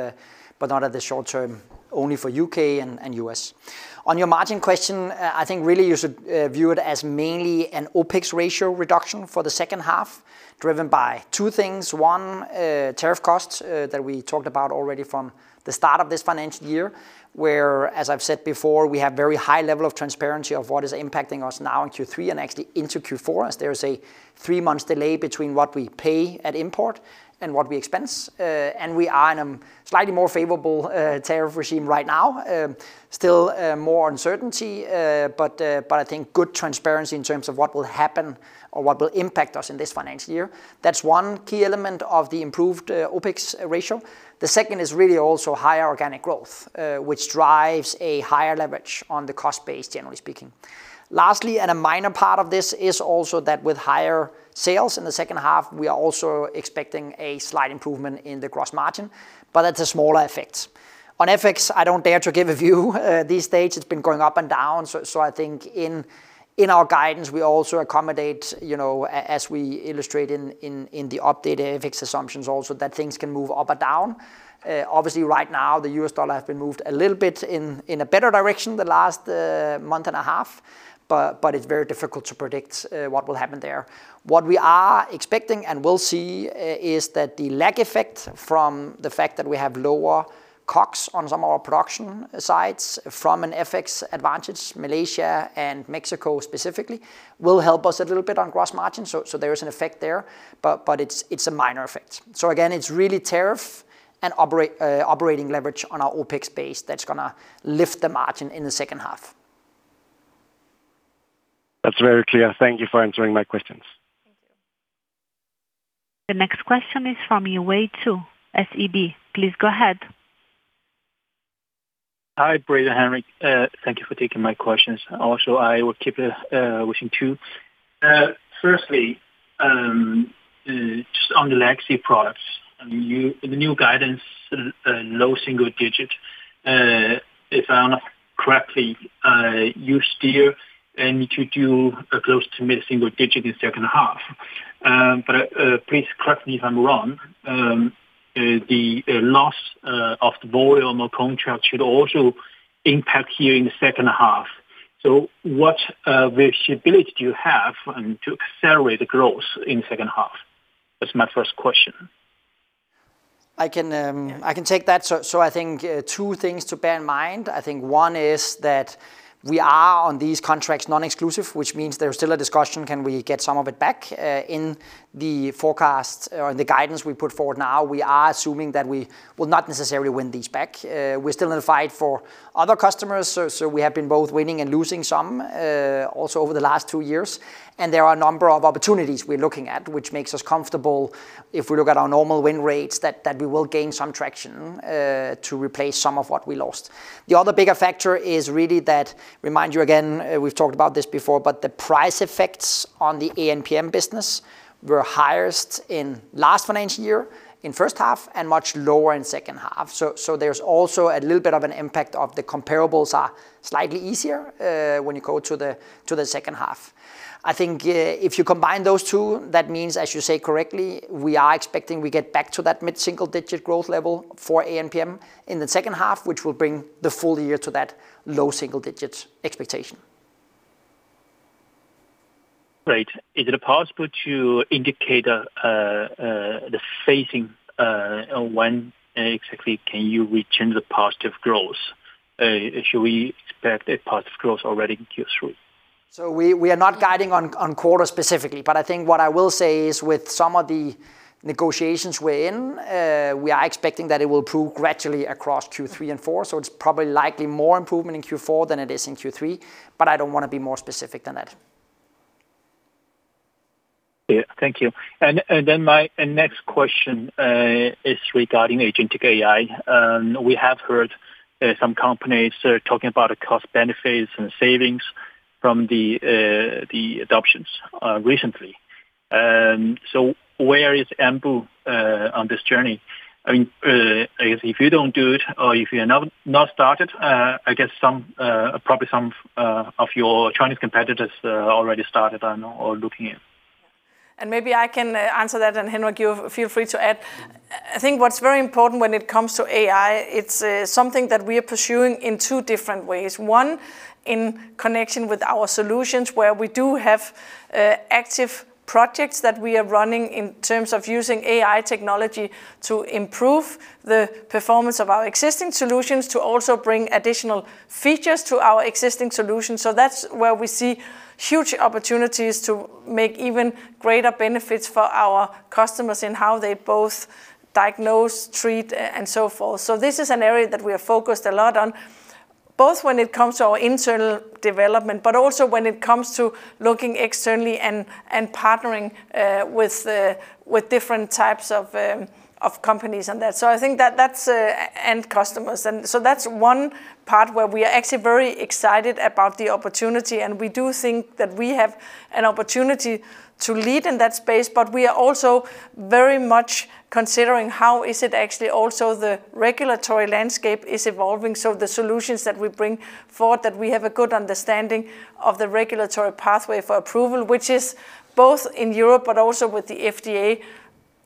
not at the short term, only for U.K. and U.S. On your margin question, I think really you should view it as mainly an OpEx ratio reduction for the second half, driven by two things. One, tariff costs that we talked about already from the start of this financial year. Where, as I've said before, we have very high level of transparency of what is impacting us now in Q3 and actually into Q4, as there is a three-month delay between what we pay at import and what we expense. We are in a slightly more favorable tariff regime right now. Still, more uncertainty, but I think good transparency in terms of what will happen or what will impact us in this financial year. That's one key element of the improved OpEx ratio. The second is really also higher organic growth, which drives a higher leverage on the cost base, generally speaking. Lastly, a minor part of this is also that with higher sales in the second half, we are also expecting a slight improvement in the gross margin, but that's a smaller effect. On FX, I don't dare to give a view. These days it's been going up and down. I think in our guidance, we also accommodate, you know, as we illustrate in the updated FX assumptions also, that things can move up or down. Obviously right now, the U.S. dollar has been moved a little bit in a better direction the last month and a half, it's very difficult to predict what will happen there. What we are expecting and will see is that the lag effect from the fact that we have lower COGS on some of our production sites from an FX advantage, Malaysia and Mexico specifically, will help us a little bit on gross margin. There is an effect there, it's a minor effect. Again, it's really tariff and operating leverage on our OpEx base that's gonna lift the margin in the second half. That's very clear. Thank you for answering my questions. Thank you. The next question is from Yiwei Zhou, SEB. Please go ahead. Hi, Britt and Henrik. Thank you for taking my questions. Also, I will keep it wishing too. Firstly, just on the legacy products. I mean, the new guidance, low single-digit. If I understand correctly, you still aim to do close to mid-single-digit in second half. Please correct me if I'm wrong. The loss of the Boyle contract should also impact you in the second half. What variability do you have to accelerate the growth in second half? That's my first question. I can, I can take that. I think two things to bear in mind. I think one is that we are on these contracts non-exclusive, which means there's still a discussion, can we get some of it back? In the forecast or the guidance we put forward now, we are assuming that we will not necessarily win these back. We're still in a fight for other customers, we have been both winning and losing some also over the last two years. There are a number of opportunities we're looking at, which makes us comfortable if we look at our normal win rates, that we will gain some traction to replace some of what we lost. The other bigger factor is really that, remind you again, we've talked about this before, but the price effects on the A&PM business were highest in last financial year in first half and much lower in second half. There's also a little bit of an impact of the comparables are slightly easier when you go to the second half. I think, if you combine those two, that means, as you say correctly, we are expecting we get back to that mid-single-digit growth level for A&PM in the second half, which will bring the full year to that low-single-digits expectation. Great. Is it possible to indicate the phasing on when exactly can you return the positive growth? Should we expect a positive growth already in Q3? We are not guiding on quarter specifically, but I think what I will say is with some of the negotiations we're in, we are expecting that it will improve gradually across Q3 and Q4. It's probably likely more improvement in Q4 than it is in Q3, but I don't wanna be more specific than that. Yeah. Thank you. Then my next question is regarding agentic AI. We have heard some companies talking about the cost benefits and savings from the adoptions recently. Where is Ambu on this journey? I mean, if you don't do it or if you have not started, I guess some probably some of your Chinese competitors already started on or looking in. Maybe I can answer that, and Henrik, you feel free to add. I think what's very important when it comes to AI, it's something that we are pursuing in two different ways. One, in connection with our solutions, where we do have active projects that we are running in terms of using AI technology to improve the performance of our existing solutions, to also bring additional features to our existing solutions. That's where we see huge opportunities to make even greater benefits for our customers in how they both diagnose, treat, and so forth. This is an area that we are focused a lot on, both when it comes to our internal development, but also when it comes to looking externally and partnering with different types of companies on that. I think that that's and customers. That's one part where we are actually very excited about the opportunity, and we do think that we have an opportunity to lead in that space. We are also very much considering how is it actually also the regulatory landscape is evolving, so the solutions that we bring forward, that we have a good understanding of the regulatory pathway for approval, which is both in Europe but also with the FDA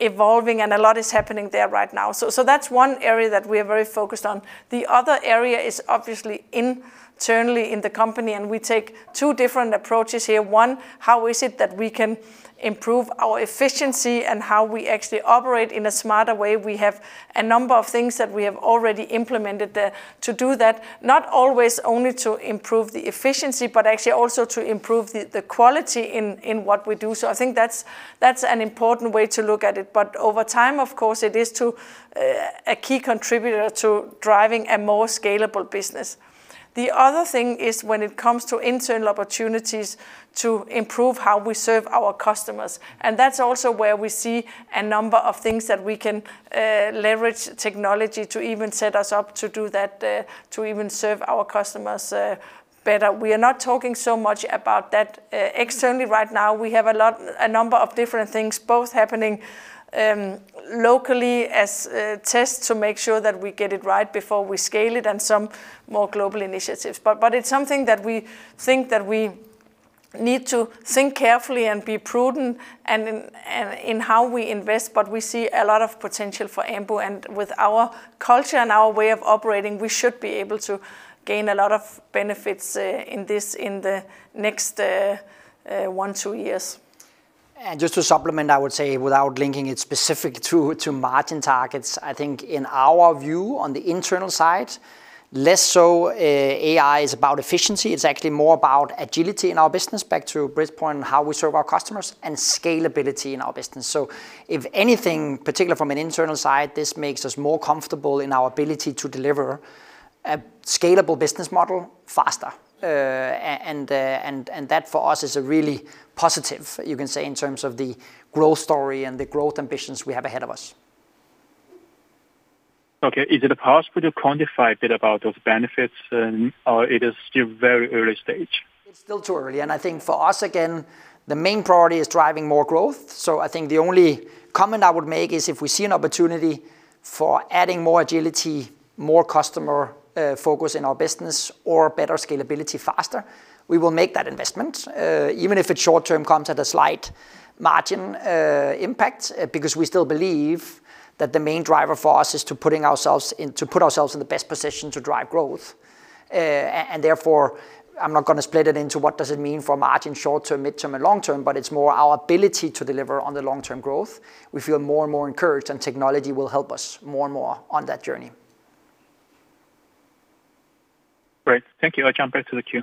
evolving, and a lot is happening there right now. That's one area that we are very focused on. The other area is obviously internally in the company, and we take two different approaches here. One, how is it that we can improve our efficiency and how we actually operate in a smarter way? We have a number of things that we have already implemented there to do that, not always only to improve the efficiency, but actually also to improve the quality in what we do. I think that's an important way to look at it. Over time, of course, it is to a key contributor to driving a more scalable business. The other thing is when it comes to internal opportunities to improve how we serve our customers. That's also where we see a number of things that we can leverage technology to even set us up to do that, to even serve our customers better. We are not talking so much about that externally right now. We have a number of different things both happening locally as tests to make sure that we get it right before we scale it and some more global initiatives. It's something that we think that we need to think carefully and be prudent and in how we invest, but we see a lot of potential for Ambu. With our culture and our way of operating, we should be able to gain a lot of benefits in this, in the next one, two years. Just to supplement, I would say without linking it specifically to margin targets, I think in our view on the internal side, less so, AI is about efficiency. It's actually more about agility in our business, back to Britt's point on how we serve our customers, and scalability in our business. If anything, particularly from an internal side, this makes us more comfortable in our ability to deliver a scalable business model faster. And that for us is a really positive, you can say, in terms of the growth story and the growth ambitions we have ahead of us. Okay. Is it possible to quantify a bit about those benefits, or it is still very early stage? It's still too early. I think for us, again, the main priority is driving more growth. I think the only comment I would make is if we see an opportunity for adding more agility, more customer focus in our business or better scalability faster, we will make that investment, even if it short-term comes at a slight margin impact, because we still believe that the main driver for us is to put ourselves in the best position to drive growth. Therefore, I'm not gonna split it into what does it mean for margin short-term, mid-term, and long-term, but it's more our ability to deliver on the long-term growth. We feel more and more encouraged, and technology will help us more and more on that journey. Great. Thank you. I'll jump back to the queue.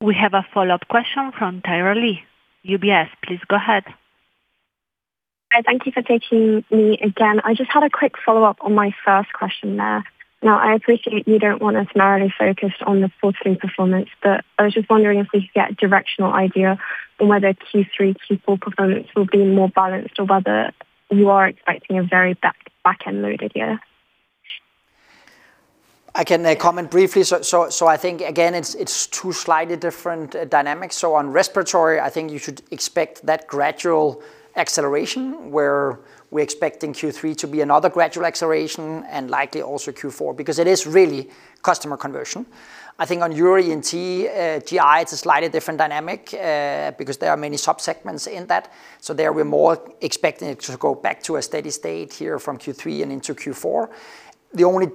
We have a follow-up question from Thyra Lee, UBS. Please go ahead. Hi. Thank you for taking me again. I just had a quick follow-up on my first question there. I appreciate you don't want us narrowly focused on the full year performance, but I was just wondering if we could get a directional idea on whether Q3, Q4 performance will be more balanced or whether you are expecting a very back-end load idea. I can comment briefly. I think again, it's two slightly different dynamics. On Respiratory, I think you should expect that gradual acceleration where we're expecting Q3 to be another gradual acceleration and likely also Q4. It is really customer conversion. I think on Urology, ENT, and GI, it's a slightly different dynamic. There are many subsegments in that. There we're more expecting it to go back to a steady state here from Q3 and into Q4. The only,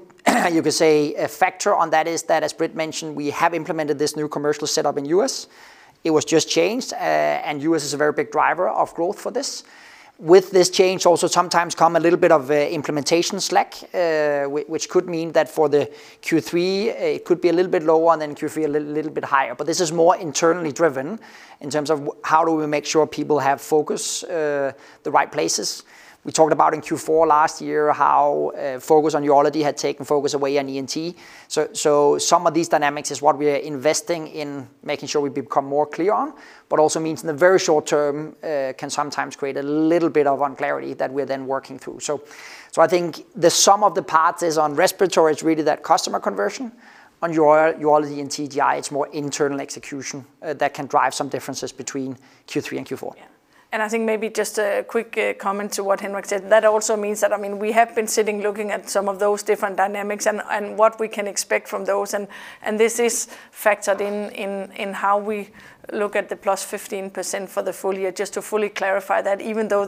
you could say, factor on that is that, as Britt mentioned, we have implemented this new commercial setup in U.S. It was just changed. U.S. is a very big driver of growth for this. With this change also sometimes come a little bit of implementation slack, which could mean that for the Q3, it could be a little bit lower, and then Q3 a little bit higher. This is more internally driven in terms of how do we make sure people have focus the right places. We talked about in Q4 last year how focus on Urology had taken focus away on ENT. Some of these dynamics is what we are investing in making sure we become more clear on, but also means in the very short term can sometimes create a little bit of unclarity that we're then working through. I think the sum of the parts is on respiratory is really that customer conversion. On Urology, ENT, and GI, it's more internal execution that can drive some differences between Q3 and Q4. Yeah. I think maybe just a quick comment to what Henrik said. That also means that, I mean, we have been sitting looking at some of those different dynamics and what we can expect from those and this is factored in how we look at the +15% for the full year, just to fully clarify that even though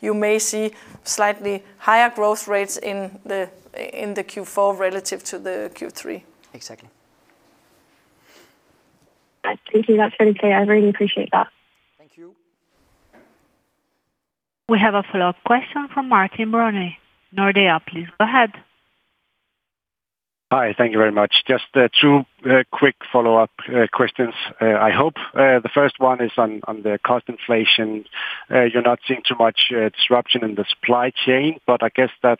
you may see slightly higher growth rates in the Q4 relative to the Q3. Exactly. Right. Thank you. That's really clear. I really appreciate that. Thank you. We have a follow-up question from Martin Brenøe, Nordea, please go ahead. Hi. Thank you very much. Just two quick follow-up questions, I hope. The first one is on the cost inflation. You're not seeing too much disruption in the supply chain, but I guess that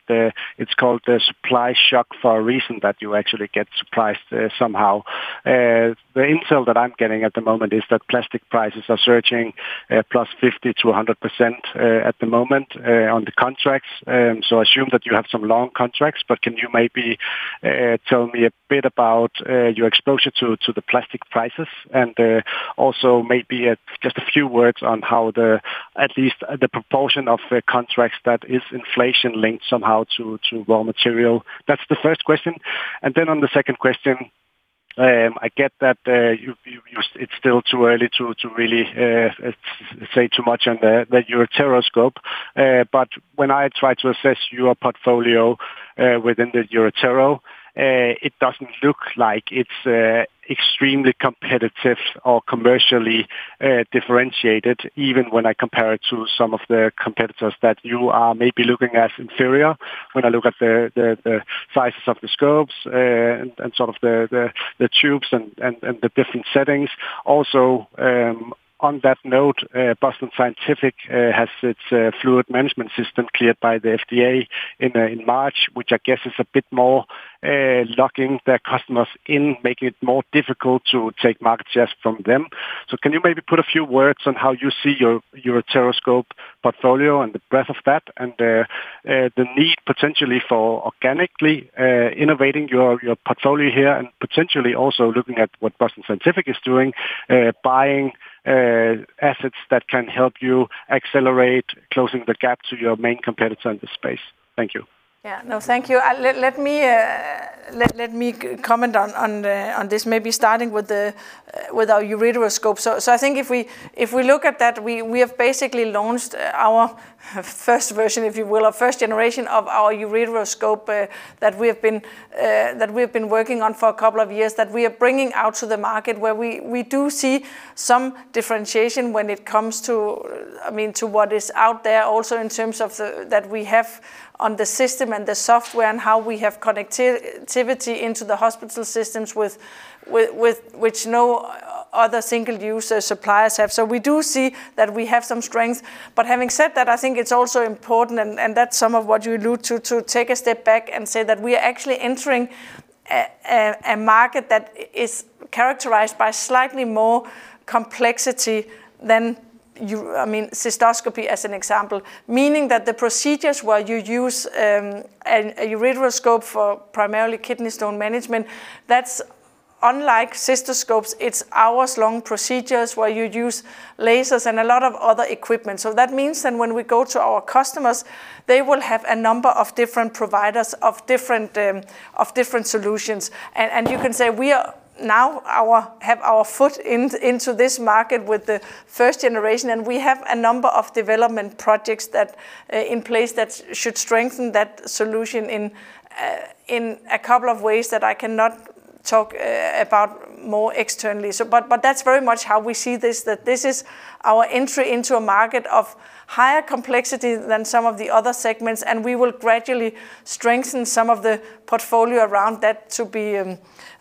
it's called a supply shock for a reason that you actually get surprised somehow. The intel that I'm getting at the moment is that plastic prices are surging plus 50%-100% at the moment on the contracts. I assume that you have some long contracts, but can you maybe tell me a bit about your exposure to the plastic prices and also maybe just a few words on how the, at least the proportion of the contracts that is inflation-linked somehow to raw material? That's the first question. On the second question. I get that it's still too early to really say too much on the ureteroscope. When I try to assess your portfolio within the Uretero, it doesn't look like it's extremely competitive or commercially differentiated, even when I compare it to some of the competitors that you are maybe looking at inferior. When I look at the sizes of the scopes and sort of the tubes and the different settings. On that note, Boston Scientific has its fluid management system cleared by the FDA in March, which I guess is a bit more locking their customers in, making it more difficult to take market shares from them. Can you maybe put a few words on how you see your ureteroscope portfolio and the breadth of that, and the need potentially for organically innovating your portfolio here, and potentially also looking at what Boston Scientific is doing, buying assets that can help you accelerate closing the gap to your main competitor in this space? Thank you. No, thank you. Let me comment on this, maybe starting with our ureteroscope. I think if we look at that, we have basically launched our first version, if you will, our first generation of our ureteroscope, that we have been working on for a couple of years, that we are bringing out to the market, where we do see some differentiation when it comes to, I mean, to what is out there also in terms of the, that we have on the system and the software and how we have connectivity into the hospital systems with which no other single-user suppliers have. We do see that we have some strength. Having said that, I think it's also important, and that's some of what you allude to take a step back and say that we are actually entering a market that is characterized by slightly more complexity than I mean, cystoscopy as an example. Meaning that the procedures where you use a ureteroscope for primarily kidney stone management, that's unlike cystoscopes, it's hours-long procedures where you use lasers and a lot of other equipment. That means then when we go to our customers, they will have a number of different providers of different solutions. You can say we are now have our foot in, into this market with the first generation, and we have a number of development projects that in place that should strengthen that solution in a couple of ways that I cannot talk about more externally. That's very much how we see this, that this is our entry into a market of higher complexity than some of the other segments, and we will gradually strengthen some of the portfolio around that to be,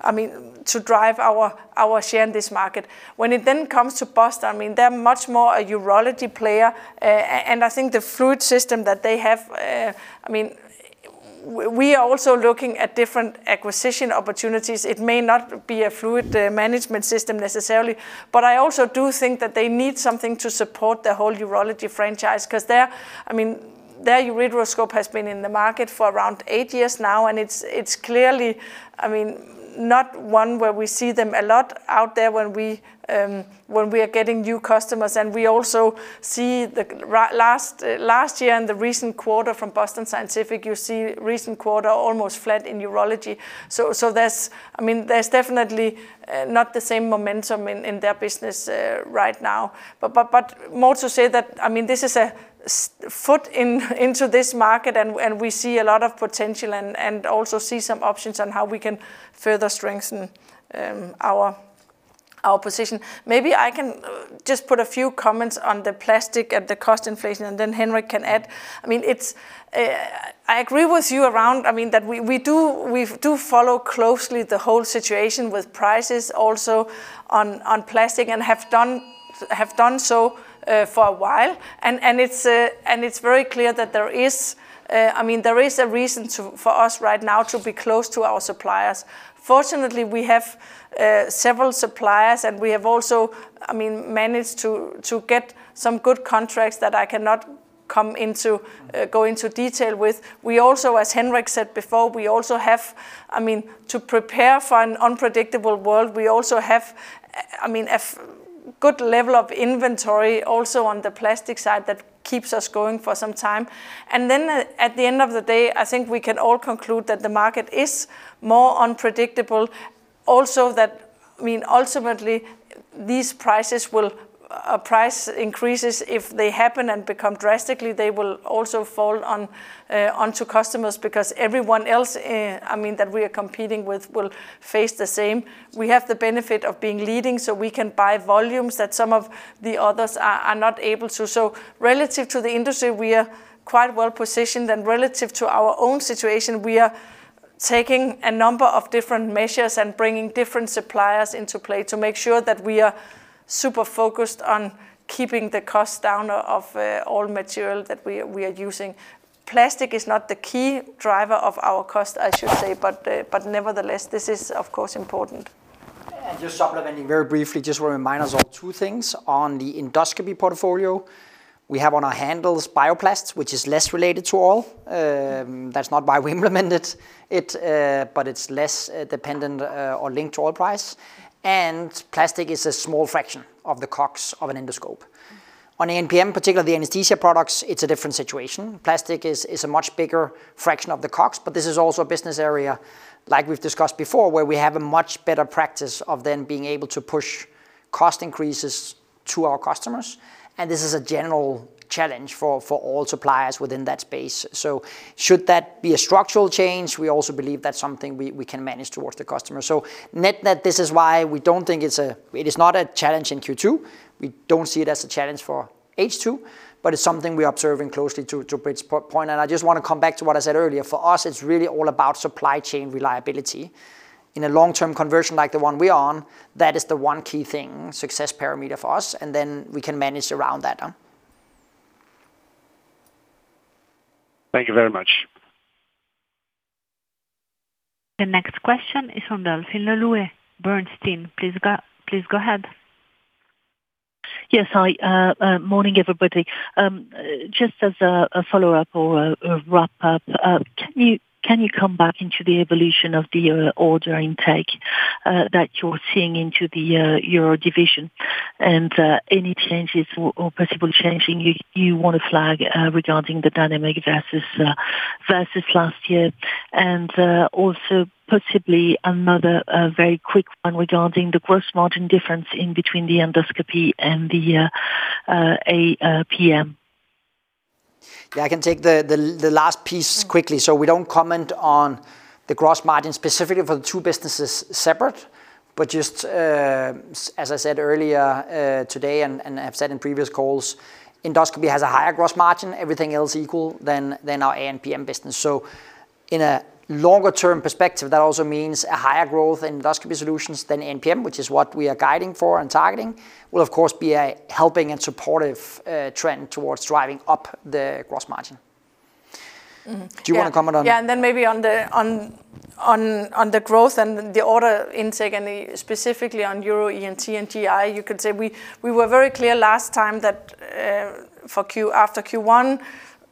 I mean, to drive our share in this market. When it then comes to Boston, I mean, they're much more a Urology player. I think the fluid system that they have, I mean, we are also looking at different acquisition opportunities. It may not be a fluid management system necessarily, but I also do think that they need something to support the whole Urology franchise, 'cause their, I mean, their ureteroscope has been in the market for around eight years now, and it's clearly, I mean, not one where we see them a lot out there when we are getting new customers. We also see the last year and the recent quarter from Boston Scientific, you see recent quarter almost flat in Urology. There's, I mean, there's definitely not the same momentum in their business right now. More to say that, I mean, this is a foot into this market, and we see a lot of potential and also see some options on how we can further strengthen our position. Maybe I can just put a few comments on the plastic and the cost inflation, and then Henrik can add. I mean, it's, I agree with you around, I mean, that we do follow closely the whole situation with prices also on plastic and have done so for a while. It's very clear that there is, I mean, there is a reason to, for us right now to be close to our suppliers. Fortunately, we have several suppliers, and we have also, I mean, managed to get some good contracts that I cannot come into, go into detail with. We also, as Henrik said before, we also have, I mean, to prepare for an unpredictable world, we also have, I mean, a good level of inventory also on the plastic side that keeps us going for some time. At the end of the day, I think we can all conclude that the market is more unpredictable. Also that, I mean, ultimately these prices will, price increases if they happen and become drastically, they will also fall on onto customers because everyone else, I mean, that we are competing with will face the same. We have the benefit of being leading, we can buy volumes that some of the others are not able to. Relative to the industry, we are quite well-positioned, and relative to our own situation, we are taking a number of different measures and bringing different suppliers into play to make sure that we are super focused on keeping the cost down of all material that we are using. Plastic is not the key driver of our cost, I should say, nevertheless, this is, of course, important. Just supplementing very briefly, just want to remind us all two things. On the endoscopy portfolio, we have on our handles bioplastics, which is less related to oil. That's not why we implemented it, but it's less dependent or linked to oil price. Plastic is a small fraction of the COGS of an endoscope. On A&PM, particularly the anesthesia products, it's a different situation. Plastic is a much bigger fraction of the COGS, but this is also a business area, like we've discussed before, where we have a much better practice of then being able to push cost increases to our customers, and this is a general challenge for all suppliers within that space. Should that be a structural change, we also believe that's something we can manage towards the customer. Net, net, this is why we don't think it is not a challenge in Q2. We don't see it as a challenge for H2, but it's something we are observing closely to Britt's point. I just wanna come back to what I said earlier. For us, it's really all about supply chain reliability. In a long-term conversion like the one we're on, that is the one key thing, success parameter for us, and then we can manage around that. Thank you very much. The next question is from Delphine Le Louet, Bernstein. Please go ahead. Yes. Hi. Morning, everybody. Just as a follow-up or a wrap-up, can you come back into the evolution of the order intake that you're seeing into the Urology division and any changes or possible changing you want to flag regarding the dynamic versus last year? Also possibly another very quick one regarding the gross margin difference in between the endoscopy and the A&PM. Yeah, I can take the last piece quickly. We don't comment on the gross margin specifically for the two businesses separate, but just as I said earlier today and I've said in previous calls, endoscopy has a higher gross margin, everything else equal, than our A&PM business. In a longer term perspective, that also means a higher growth in Endoscopy Solutions than A&PM, which is what we are guiding for and targeting, will of course be a helping and supportive trend towards driving up the gross margin. Mm-hmm. Yeah. Do you wanna comment on? Maybe on the growth and the order intake, specifically on Urology, ENT, and GI, you could say we were very clear last time that for Q1,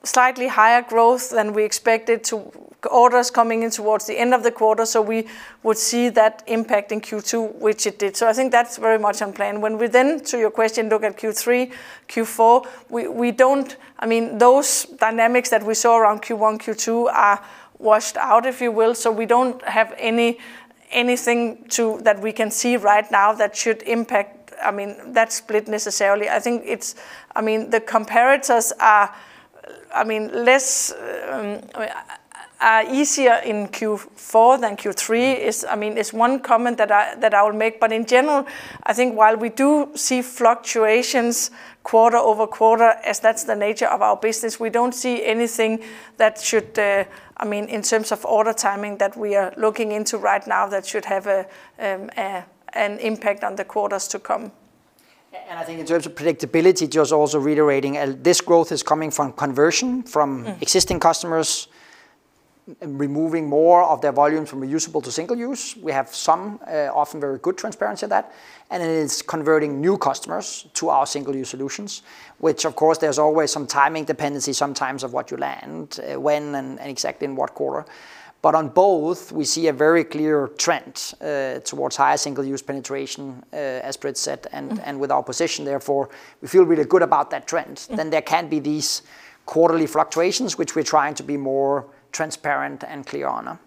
slightly higher growth than we expected. Orders coming in towards the end of the quarter, we would see that impact in Q2, which it did. I think that's very much on plan. When we, to your question, look at Q3, Q4, we don't, I mean, those dynamics that we saw around Q1, Q2 are washed out, if you will, we don't have anything to, that we can see right now that should impact, I mean, that split necessarily. I think it's I mean, the comparators are, I mean, less, are easier in Q4 than Q3 is, I mean, is one comment that I would make. In general, I think while we do see fluctuations quarter-over-quarter, as that's the nature of our business, we don't see anything that should, I mean, in terms of order timing that we are looking into right now that should have an impact on the quarters to come. Yeah, I think in terms of predictability, just also reiterating, this growth is coming from conversion. Existing customers removing more of their volume from reusable to single-use. We have some often very good transparency of that, and it is converting new customers to our single-use solutions, which of course there's always some timing dependency sometimes of what you land, when and exactly in what quarter. But on both, we see a very clear trend towards higher single-use penetration as Britt said. With our position therefore, we feel really good about that trend. There can be these quarterly fluctuations, which we're trying to be more transparent and clear on.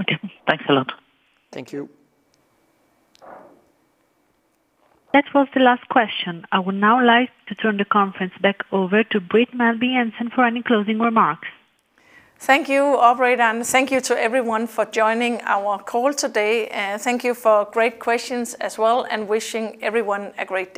Okay. Thanks a lot. Thank you. That was the last question. I would now like to turn the conference back over to Britt Meelby Jensen for any closing remarks. Thank you, operator, and thank you to everyone for joining our call today. Thank you for great questions as well, and wishing everyone a great day.